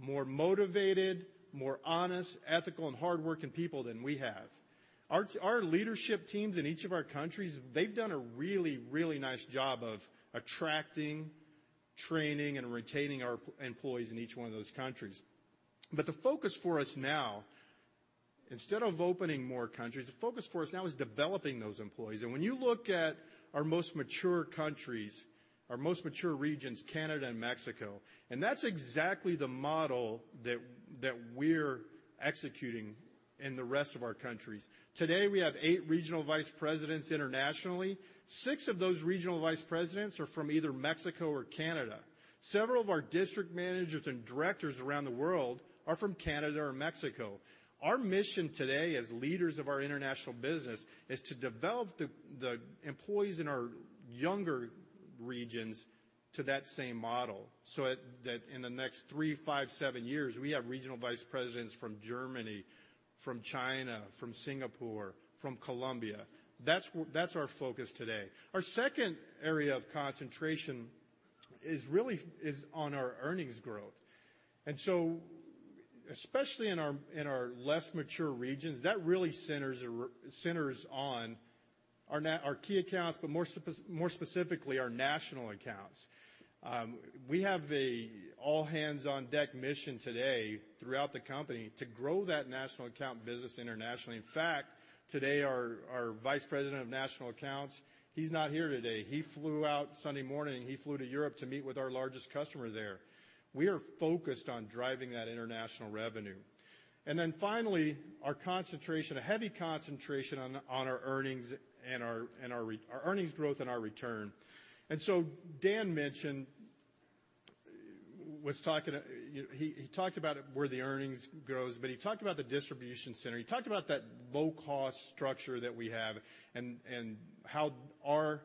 more motivated, more honest, ethical, and hardworking people than we have. Our leadership teams in each of our countries, they've done a really, really nice job of attracting, training, and retaining our employees in each one of those countries. The focus for us now, instead of opening more countries, the focus for us now is developing those employees. When you look at our most mature countries, our most mature regions, Canada and Mexico, that's exactly the model that we're executing in the rest of our countries. Today, we have eight Regional Vice Presidents internationally. Six of those Regional Vice Presidents are from either Mexico or Canada. Several of our District Managers and Directors around the world are from Canada or Mexico. Our mission today as leaders of our international business is to develop the employees in our younger regions to that same model so that in the next three, five, seven years, we have Regional Vice Presidents from Germany, from China, from Singapore, from Colombia. That's our focus today. Our second area of concentration is really on our earnings growth. Especially in our less mature regions, that really centers on our key accounts, but more specifically, our National Accounts. We have an all-hands-on-deck mission today throughout the company to grow that National Accounts business internationally. In fact, today, our Vice President of National Accounts, he's not here today. He flew out Sunday morning. He flew to Europe to meet with our largest customer there. We are focused on driving that international revenue. Finally, our concentration, a heavy concentration on our earnings and our earnings growth and our return. Dan mentioned, you know, he talked about where the earnings growth, but he talked about the distribution center. He talked about that low-cost structure that we have and how our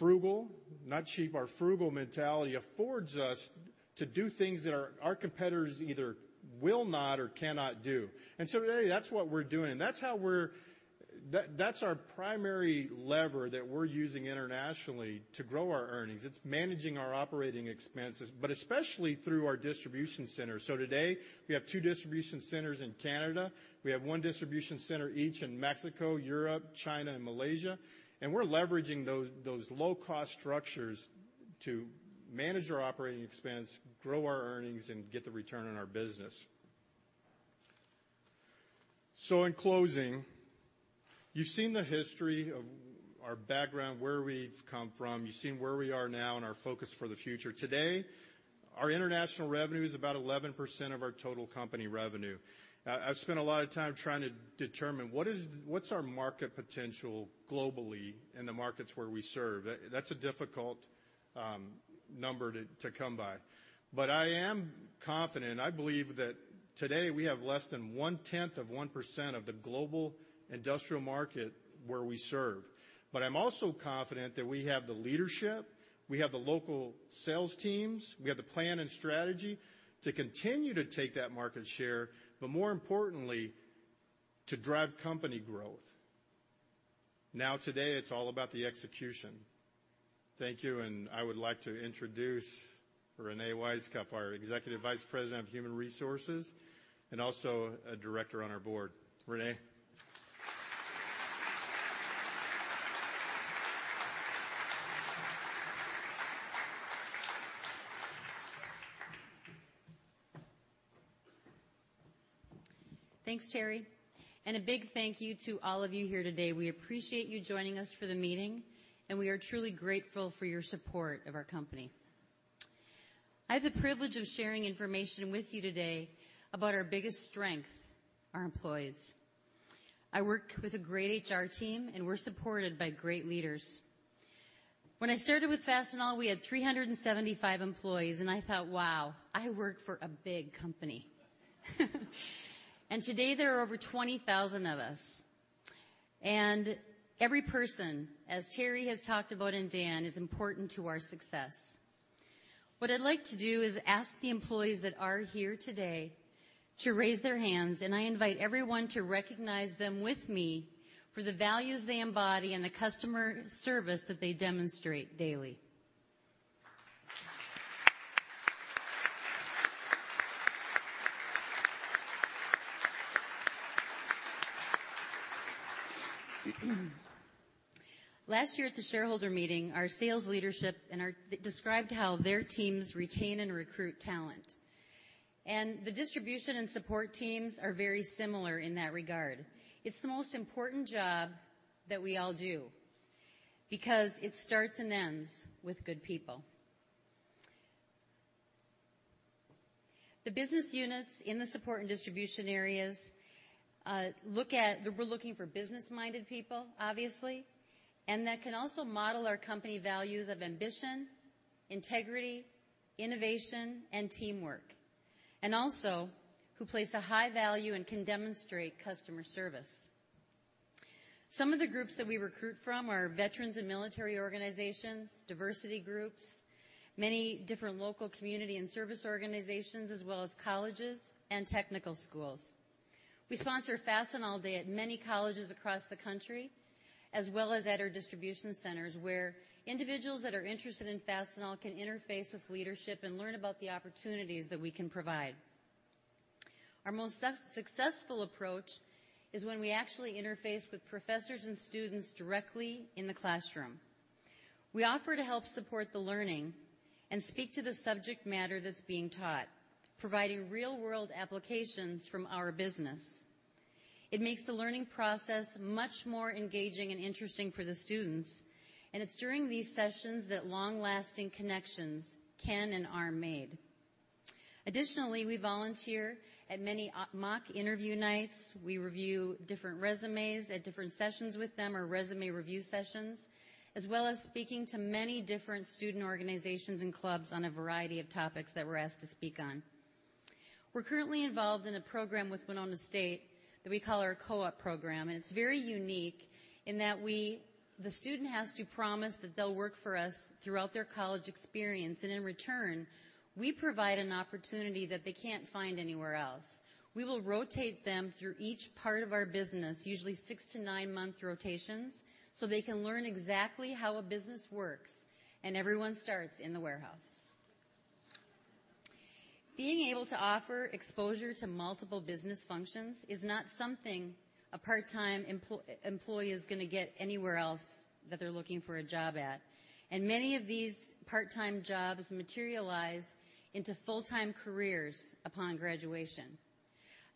frugal, not cheap, our frugal mentality affords us to do things that our competitors either will not or cannot do. Today, that's what we're doing, and that's our primary lever that we're using internationally to grow our earnings. It's managing our operating expenses, but especially through our distribution centers. Today, we have two distribution centers in Canada. We have one distribution center each in Mexico, Europe, China, and Malaysia. We're leveraging those low-cost structures to manage our operating expense, grow our earnings, and get the return on our business. In closing, you've seen the history of our background, where we've come from. You've seen where we are now and our focus for the future. Today, our international revenue is about 11% of our total company revenue. I've spent a lot of time trying to determine what's our market potential globally in the markets where we serve. That's a difficult number to come by. I am confident, I believe that today we have less than 1/10 of 1% of the global industrial market where we serve. I'm also confident that we have the leadership, we have the local sales teams, we have the plan and strategy to continue to take that market share, but more importantly, to drive company growth. Today, it's all about the execution. Thank you, and I would like to introduce Reyne Wisecup, our Executive Vice President – Human Resources, and also a director on our board. Reyne? Thanks, Terry. A big thank you to all of you here today. We appreciate you joining us for the meeting, and we are truly grateful for your support of our company. I have the privilege of sharing information with you today about our biggest strength, our employees. I work with a great HR team, and we're supported by great leaders. When I started with Fastenal, we had 375 employees, and I thought, wow, I work for a big company. Today, there are over 20,000 of us. Every person, as Terry has talked about, and Dan, is important to our success. What I'd like to do is ask the employees that are here today to raise their hands, and I invite everyone to recognize them with me for the values they embody and the customer service that they demonstrate daily. Last year at the shareholder meeting, our sales leadership described how their teams retain and recruit talent. The distribution and support teams are very similar in that regard. It's the most important job that we all do because it starts and ends with good people. The business units in the support and distribution areas, we're looking for business-minded people, obviously, and that can also model our company values of ambition, integrity, innovation, and teamwork. Also who place a high value and can demonstrate customer service. Some of the groups that we recruit from are veterans and military organizations, diversity groups, many different local community and service organizations, as well as colleges and technical schools. We sponsor Fastenal Day at many colleges across the country, as well as at our distribution centers, where individuals that are interested in Fastenal can interface with leadership and learn about the opportunities that we can provide. Our most successful approach is when we actually interface with professors and students directly in the classroom. We offer to help support the learning and speak to the subject matter that's being taught, providing real-world applications from our business. It makes the learning process much more engaging and interesting for the students, and it's during these sessions that long-lasting connections can and are made. Additionally, we volunteer at many mock interview nights. We review different resumes at different sessions with them or resume review sessions, as well as speaking to many different student organizations and clubs on a variety of topics that we're asked to speak on. We're currently involved in a program with Winona State that we call our Co-op Program, and it's very unique in that the student has to promise that they'll work for us throughout their college experience. In return, we provide an opportunity that they can't find anywhere else. We will rotate them through each part of our business, usually six to nine-month rotations, so they can learn exactly how a business works. Everyone starts in the warehouse. Being able to offer exposure to multiple business functions is not something a part-time employee is gonna get anywhere else that they're looking for a job at. Many of these part-time jobs materialize into full-time careers upon graduation.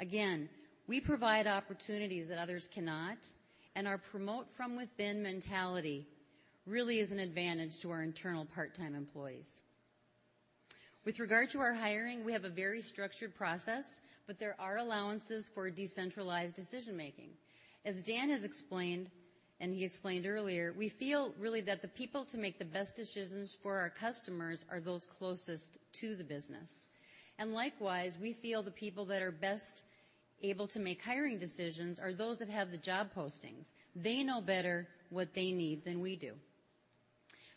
Again, we provide opportunities that others cannot. Our promote-from-within mentality really is an advantage to our internal part-time employees. With regard to our hiring, we have a very structured process, but there are allowances for decentralized decision-making. As Dan has explained, and he explained earlier, we feel really that the people to make the best decisions for our customers are those closest to the business. Likewise, we feel the people that are best able to make hiring decisions are those that have the job postings. They know better what they need than we do.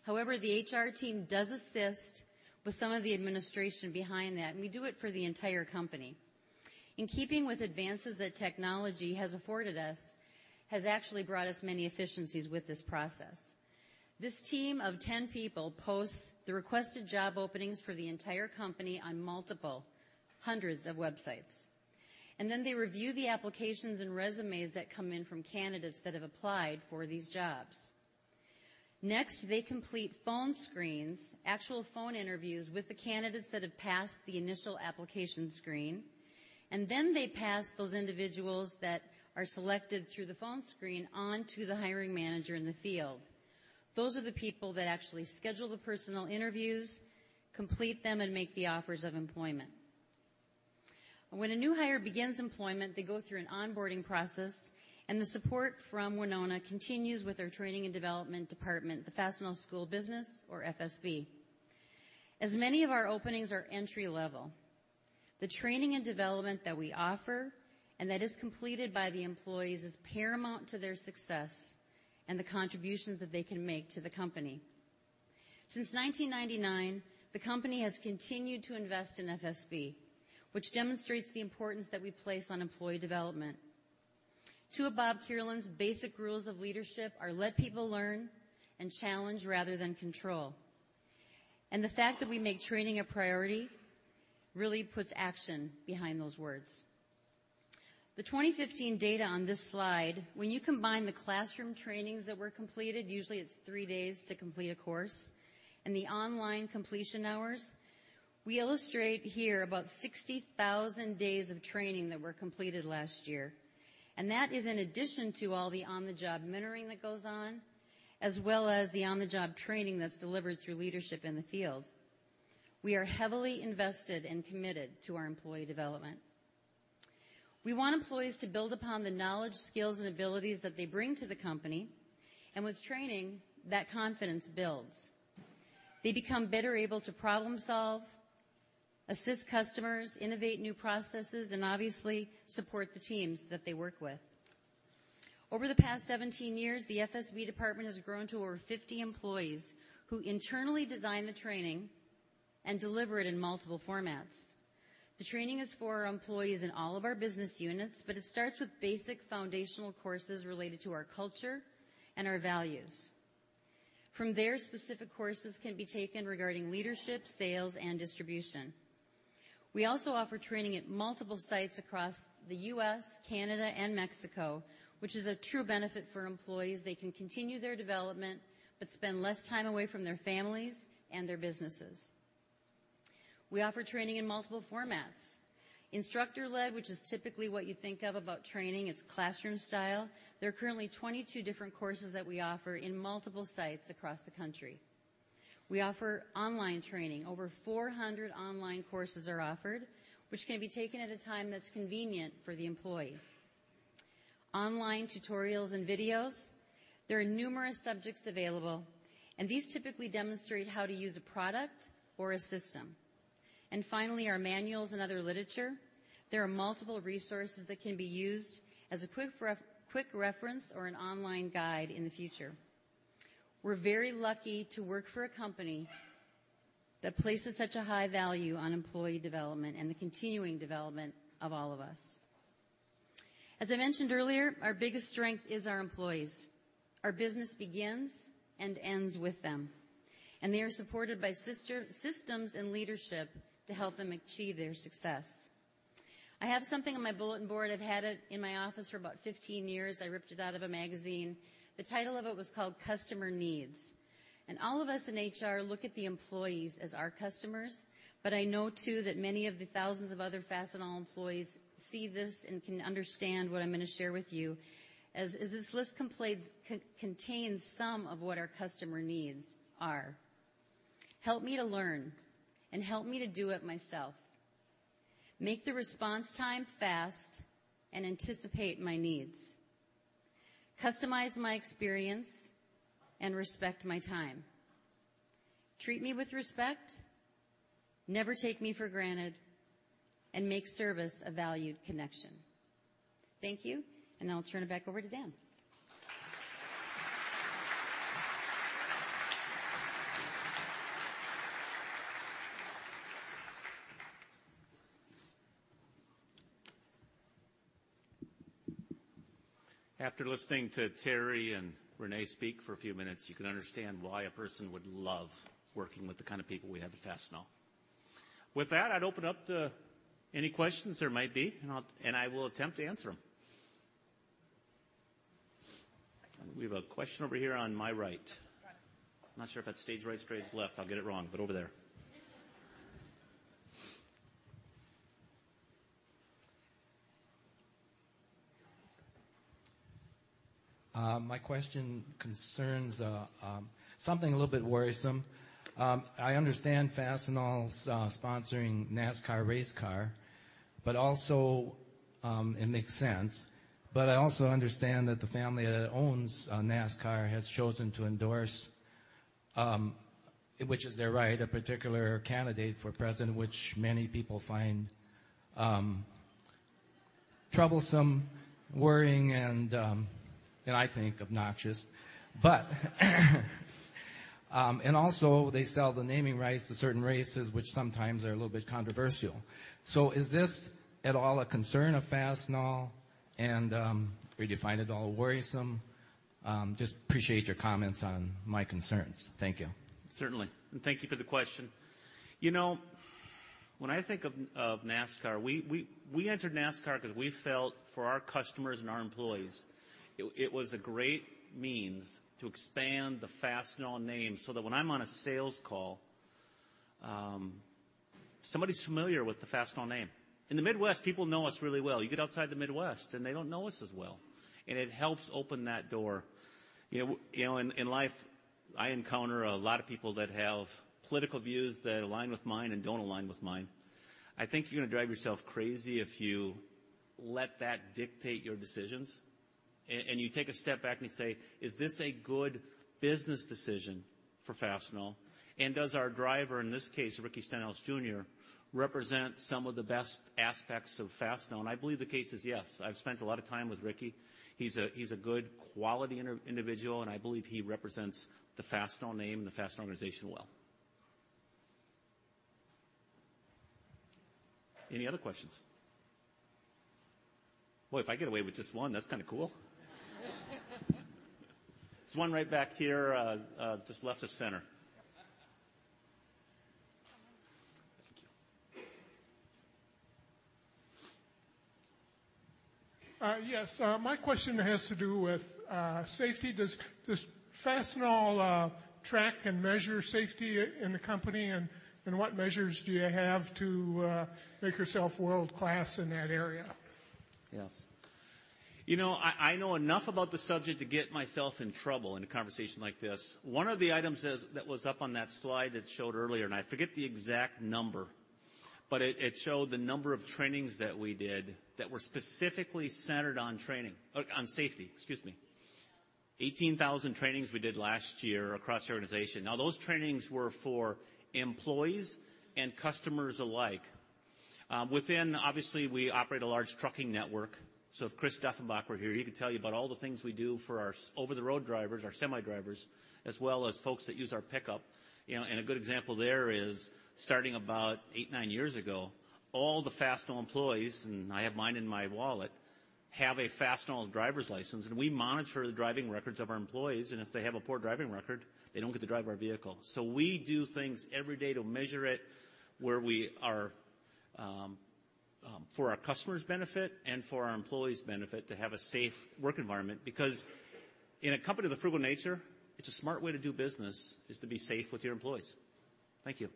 However, the HR team does assist with some of the administration behind that, and we do it for the entire company. In keeping with advances that technology has afforded us, has actually brought us many efficiencies with this process. This team of 10 people posts the requested job openings for the entire company on multiple hundreds of websites. They review the applications and resumes that come in from candidates that have applied for these jobs. Next, they complete phone screens, actual phone interviews with the candidates that have passed the initial application screen. They pass those individuals that are selected through the phone screen on to the hiring manager in the field. Those are the people that actually schedule the personal interviews, complete them, and make the offers of employment. When a new hire begins employment, they go through an onboarding process, and the support from Winona continues with their training and development department, the Fastenal School of Business, or FSB. As many of our openings are entry-level, the training and development that we offer and that is completed by the employees is paramount to their success and the contributions that they can make to the company. Since 1999, the company has continued to invest in FSB, which demonstrates the importance that we place on employee development. Two of Bob Kierlin's basic rules of leadership are let people learn and challenge rather than control. The fact that we make training a priority really puts action behind those words. The 2015 data on this slide, when you combine the classroom trainings that were completed, usually it's three days to complete a course, and the online completion hours, we illustrate here about 60,000 days of training that were completed last year. That is in addition to all the on-the-job mentoring that goes on, as well as the on-the-job training that's delivered through leadership in the field. We are heavily invested and committed to our employee development. We want employees to build upon the knowledge, skills, and abilities that they bring to the company, and with training, that confidence builds. They become better able to problem solve, assist customers, innovate new processes, and obviously support the teams that they work with. Over the past 17 years, the FSB department has grown to over 50 employees who internally design the training and deliver it in multiple formats. The training is for our employees in all of our business units, but it starts with basic foundational courses related to our culture and our values. From there, specific courses can be taken regarding leadership, sales, and distribution. We also offer training at multiple sites across the U.S., Canada, and Mexico, which is a true benefit for employees. They can continue their development but spend less time away from their families and their businesses. We offer training in multiple formats. Instructor-led, which is typically what you think of about training, it's classroom style. There are currently 22 different courses that we offer in multiple sites across the country. We offer online training. Over 400 online courses are offered, which can be taken at a time that's convenient for the employee. Online tutorials and videos, there are numerous subjects available, and these typically demonstrate how to use a product or a system. Finally, our manuals and other literature, there are multiple resources that can be used as a quick reference or an online guide in the future. We're very lucky to work for a company that places such a high value on employee development and the continuing development of all of us. As I mentioned earlier, our biggest strength is our employees. Our business begins and ends with them, and they are supported by systems and leadership to help them achieve their success. I have something on my bulletin board. I've had it in my office for about 15 years. I ripped it out of a magazine. The title of it was called Customer Needs. All of us in HR look at the employees as our customers, but I know, too, that many of the thousands of other Fastenal employees see this and can understand what I'm gonna share with you, as this list contains some of what our customer needs are. Help me to learn and help me to do it myself. Make the response time fast and anticipate my needs. Customize my experience and respect my time. Treat me with respect, never take me for granted, and make service a valued connection. Thank you. I'll turn it back over to Dan. After listening to Terry and Reyne speak for a few minutes, you can understand why a person would love working with the kind of people we have at Fastenal. With that, I'd open up to any questions there might be, and I will attempt to answer them. We have a question over here on my right. Right. I'm not sure if that's stage right, stage left. I'll get it wrong, but over there. My question concerns something a little bit worrisome. I understand Fastenal's sponsoring NASCAR race car, but also, it makes sense. I also understand that the family that owns NASCAR has chosen to endorse, which is their right, a particular candidate for president, which many people find troublesome, worrying, and I think obnoxious. They sell the naming rights to certain races which sometimes are a little bit controversial. Is this at all a concern of Fastenal and or do you find it all worrisome? Just appreciate your comments on my concerns. Thank you. Certainly. Thank you for the question. You know, when I think of NASCAR, we entered NASCAR 'cause we felt for our customers and our employees, it was a great means to expand the Fastenal name so that when I'm on a sales call, somebody's familiar with the Fastenal name. In the Midwest, people know us really well. You get outside the Midwest, and they don't know us as well, and it helps open that door. You know, in life, I encounter a lot of people that have political views that align with mine and don't align with mine. I think you're gonna drive yourself crazy if you let that dictate your decisions. You take a step back and say, is this a good business decision for Fastenal? Does our driver, in this case, Ricky Stenhouse Jr., represent some of the best aspects of Fastenal? I believe the case is yes. I've spent a lot of time with Ricky. He's a good quality individual, and I believe he represents the Fastenal name and the Fastenal organization well. Any other questions? Boy, if I get away with just one, that's kinda cool. There's one right back here, just left of center. Thank you. Yes, my question has to do with safety. Does Fastenal track and measure safety in the company, and what measures do you have to make yourself world-class in that area? Yes. You know, I know enough about the subject to get myself in trouble in a conversation like this. One of the items that was up on that slide that showed earlier, and I forget the exact number, but it showed the number of trainings that we did that were specifically centered on safety, excuse me. 18,000 trainings we did last year across the organization. Those trainings were for employees and customers alike. Obviously, we operate a large trucking network, so if Chris Duffenbach were here, he could tell you about all the things we do for our over-the-road drivers, our semi drivers, as well as folks that use our pickup. You know, a good example there is starting about eight, nine years ago, all the Fastenal employees, and I have mine in my wallet, have a Fastenal driver's license, and we monitor the driving records of our employees, and if they have a poor driving record, they don't get to drive our vehicle. We do things every day to measure it where we are, for our customers' benefit and for our employees' benefit to have a safe work environment. In a company of the frugal nature, it's a smart way to do business is to be safe with your employees. Thank you.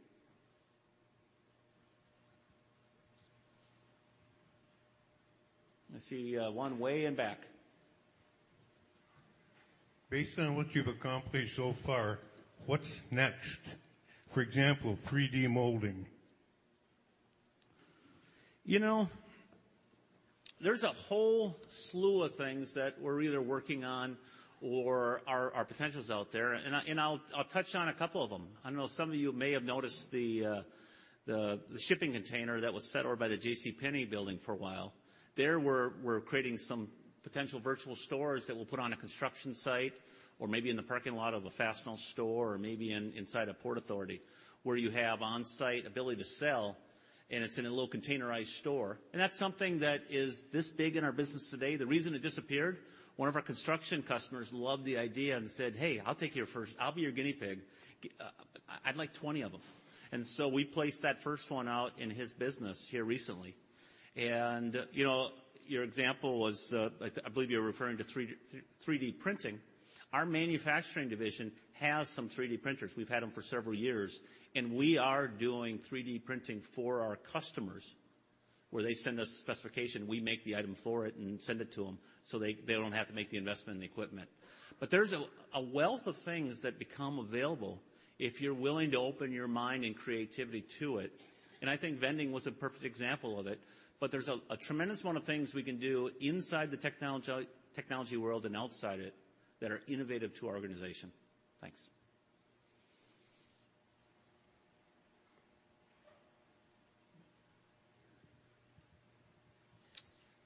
I see one way in back. Based on what you've accomplished so far, what's next? For example, 3D molding. You know, there's a whole slew of things that we're either working on or are potentials out there. I'll touch on a couple of them. I know some of you may have noticed the shipping container that was set over by the JCPenney building for a while. There we're creating some potential virtual stores that we'll put on a construction site or maybe in the parking lot of a Fastenal store or maybe inside a port authority where you have Onsite ability to sell, it's in a little containerized store. That's something that is this big in our business today. The reason it disappeared, one of our construction customers loved the idea and said, hey, I'll be your guinea pig. I'd like 20 of them. We placed that first one out in his business here recently. You know, your example was, I believe you were referring to 3D printing. Our manufacturing division has some 3D printers. We've had them for several years, and we are doing 3D printing for our customers where they send us the specification, we make the item for it and send it to them, so they don't have to make the investment in the equipment. There's a wealth of things that become available if you're willing to open your mind and creativity to it, and I think vending was a perfect example of it. There's a tremendous amount of things we can do inside the technology world and outside it that are innovative to our organization. Thanks.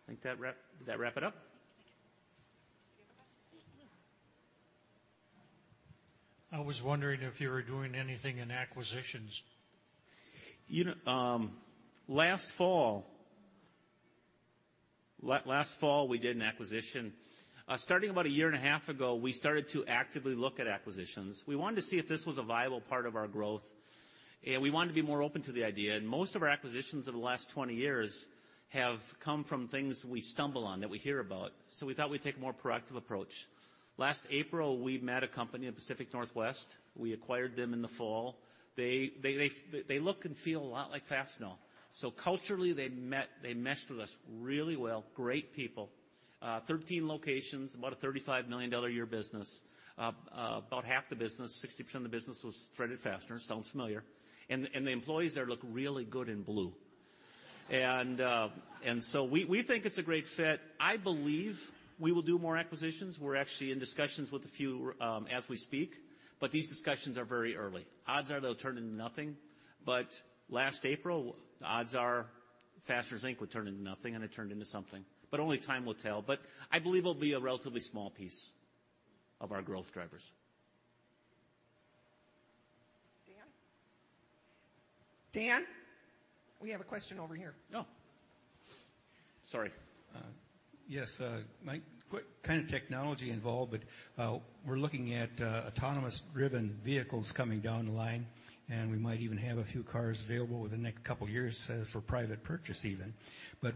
Did that wrap it up? You have a question? I was wondering if you were doing anything in acquisitions. You know, last fall we did an acquisition. Starting about a year and a half ago, we started to actively look at acquisitions. We wanted to see if this was a viable part of our growth, we wanted to be more open to the idea. Most of our acquisitions over the last 20 years have come from things we stumble on, that we hear about, we thought we'd take a more proactive approach. Last April, we met a company in Pacific Northwest. We acquired them in the fall. They look and feel a lot like Fastenal. Culturally, they meshed with us really well. Great people. 13 locations, about a $35-million-a-year business. About half the business, 60% of the business was threaded fastener. Sounds familiar. The employees there look really good in blue. We think it's a great fit. I believe we will do more acquisitions. We're actually in discussions with a few as we speak, but these discussions are very early. Odds are they'll turn into nothing. Last April, odds are Fasteners Inc would turn into nothing, and it turned into something. Only time will tell. I believe it'll be a relatively small piece of our growth drivers. Dan? We have a question over here. Oh. Sorry. Yes, kind of technology involved, we're looking at autonomous-driven vehicles coming down the line, and we might even have a few cars available within the next couple years for private purchase even.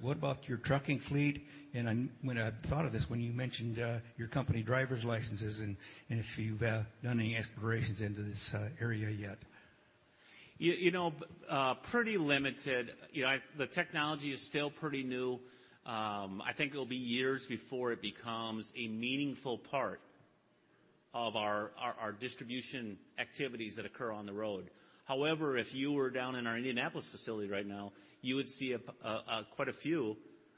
What about your trucking fleet? When I thought of this when you mentioned your company driver's licenses and if you've done any explorations into this area yet. You know, pretty limited. You know, the technology is still pretty new. I think it'll be years before it becomes a meaningful part of our distribution activities that occur on the road. If you were down in our Indianapolis facility right now, you would see quite a few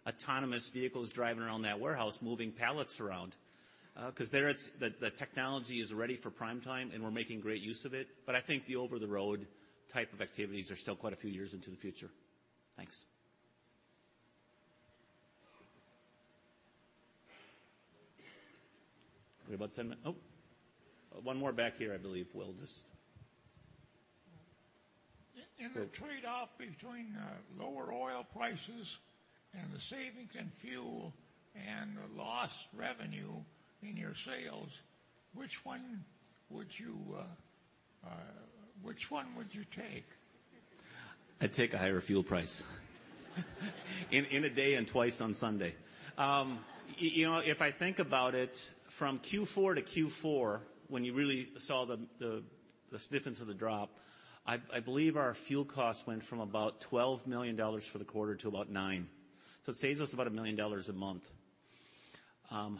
autonomous vehicles driving around that warehouse moving pallets around. 'Cause there the technology is ready for prime time, we're making great use of it. I think the over-the-road type of activities are still quite a few years into the future. Thanks. We have about 10. One more back here, I believe. We'll just- In the trade-off between lower oil prices and the savings in fuel and the lost revenue in your sales, which one would you take? I'd take a higher fuel price. In a day and twice on Sunday. You know, if I think about it from Q4 to Q4 when you really saw the stiffness of the drop, I believe our fuel costs went from about $12 million for the quarter to about $9 million. It saves us about $1 million a month.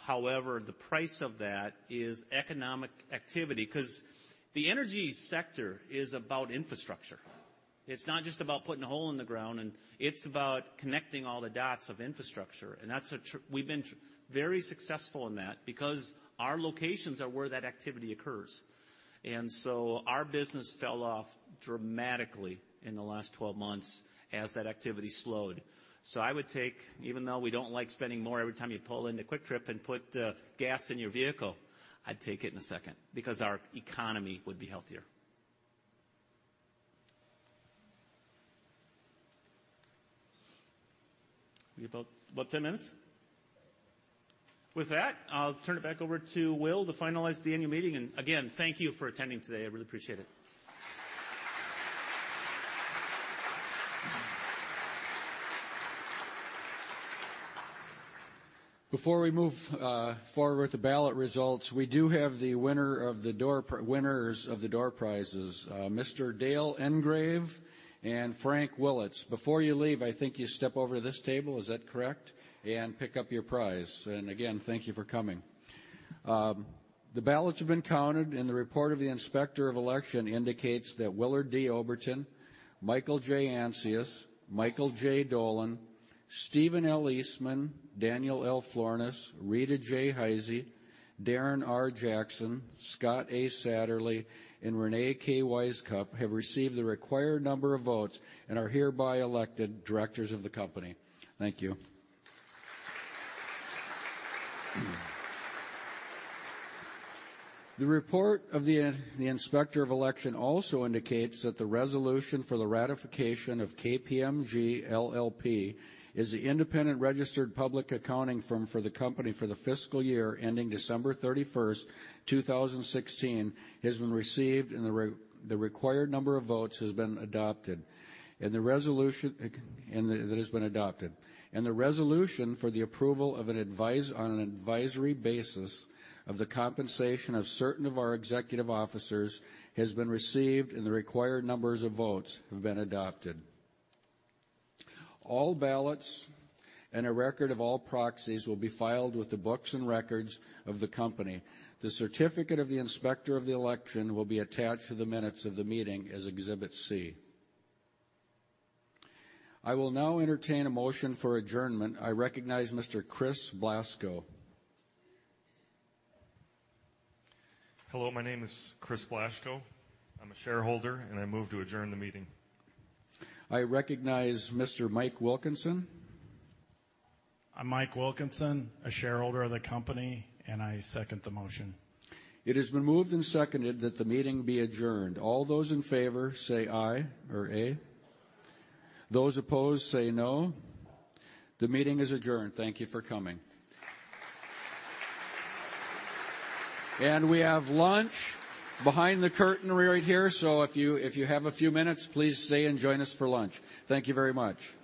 However, the price of that is economic activity 'cause the energy sector is about infrastructure. It's not just about putting a hole in the ground. It's about connecting all the dots of infrastructure, and we've been very successful in that because our locations are where that activity occurs. Our business fell off dramatically in the last 12 months as that activity slowed. I would take, even though we don't like spending more every time you pull into Kwik Trip and put gas in your vehicle, I'd take it in a second because our economy would be healthier. We have about 10 minutes? With that, I'll turn it back over to Will to finalize the annual meeting. Again, thank you for attending today. I really appreciate it. Before we move forward with the ballot results, we do have the winners of the door prizes, Mr. [Dale Engrave] and [Frank Willits]. Before you leave, I think you step over to this table. Is that correct? Pick up your prize. Again, thank you for coming. The ballots have been counted and the report of the Inspector of Election indicates that Willard D. Oberton, Michael J. Ancius, Michael J. Dolan, Stephen L. Eastman, Daniel L. Florness, Rita J. Heise, Darren R. Jackson, Scott A. Satterlee, and Reyne K. Wisecup have received the required number of votes and are hereby elected directors of the company. Thank you. The report of the Inspector of Election also indicates that the resolution for the ratification of KPMG LLP as the independent registered public accounting firm for the company for the fiscal year ending December 31st, 2016 has been received and the required number of votes has been adopted. The resolution, that has been adopted. The resolution for the approval of an advisory basis of the compensation of certain of our executive officers has been received and the required numbers of votes have been adopted. All ballots and a record of all proxies will be filed with the books and records of the company. The certificate of the Inspector of Election will be attached to the minutes of the meeting as Exhibit C. I will now entertain a motion for adjournment. I recognize Mr. Chris Blaschko. Hello, my name is Chris Blaschko. I'm a shareholder, and I move to adjourn the meeting. I recognize Mr. Mike Wilkinson. I'm Mike Wilkinson, a shareholder of the company, and I second the motion. It has been moved and seconded that the meeting be adjourned. All those in favor, say aye. Those opposed, say no. The meeting is adjourned. Thank you for coming. We have lunch behind the curtain right here. If you have a few minutes, please stay and join us for lunch. Thank you very much.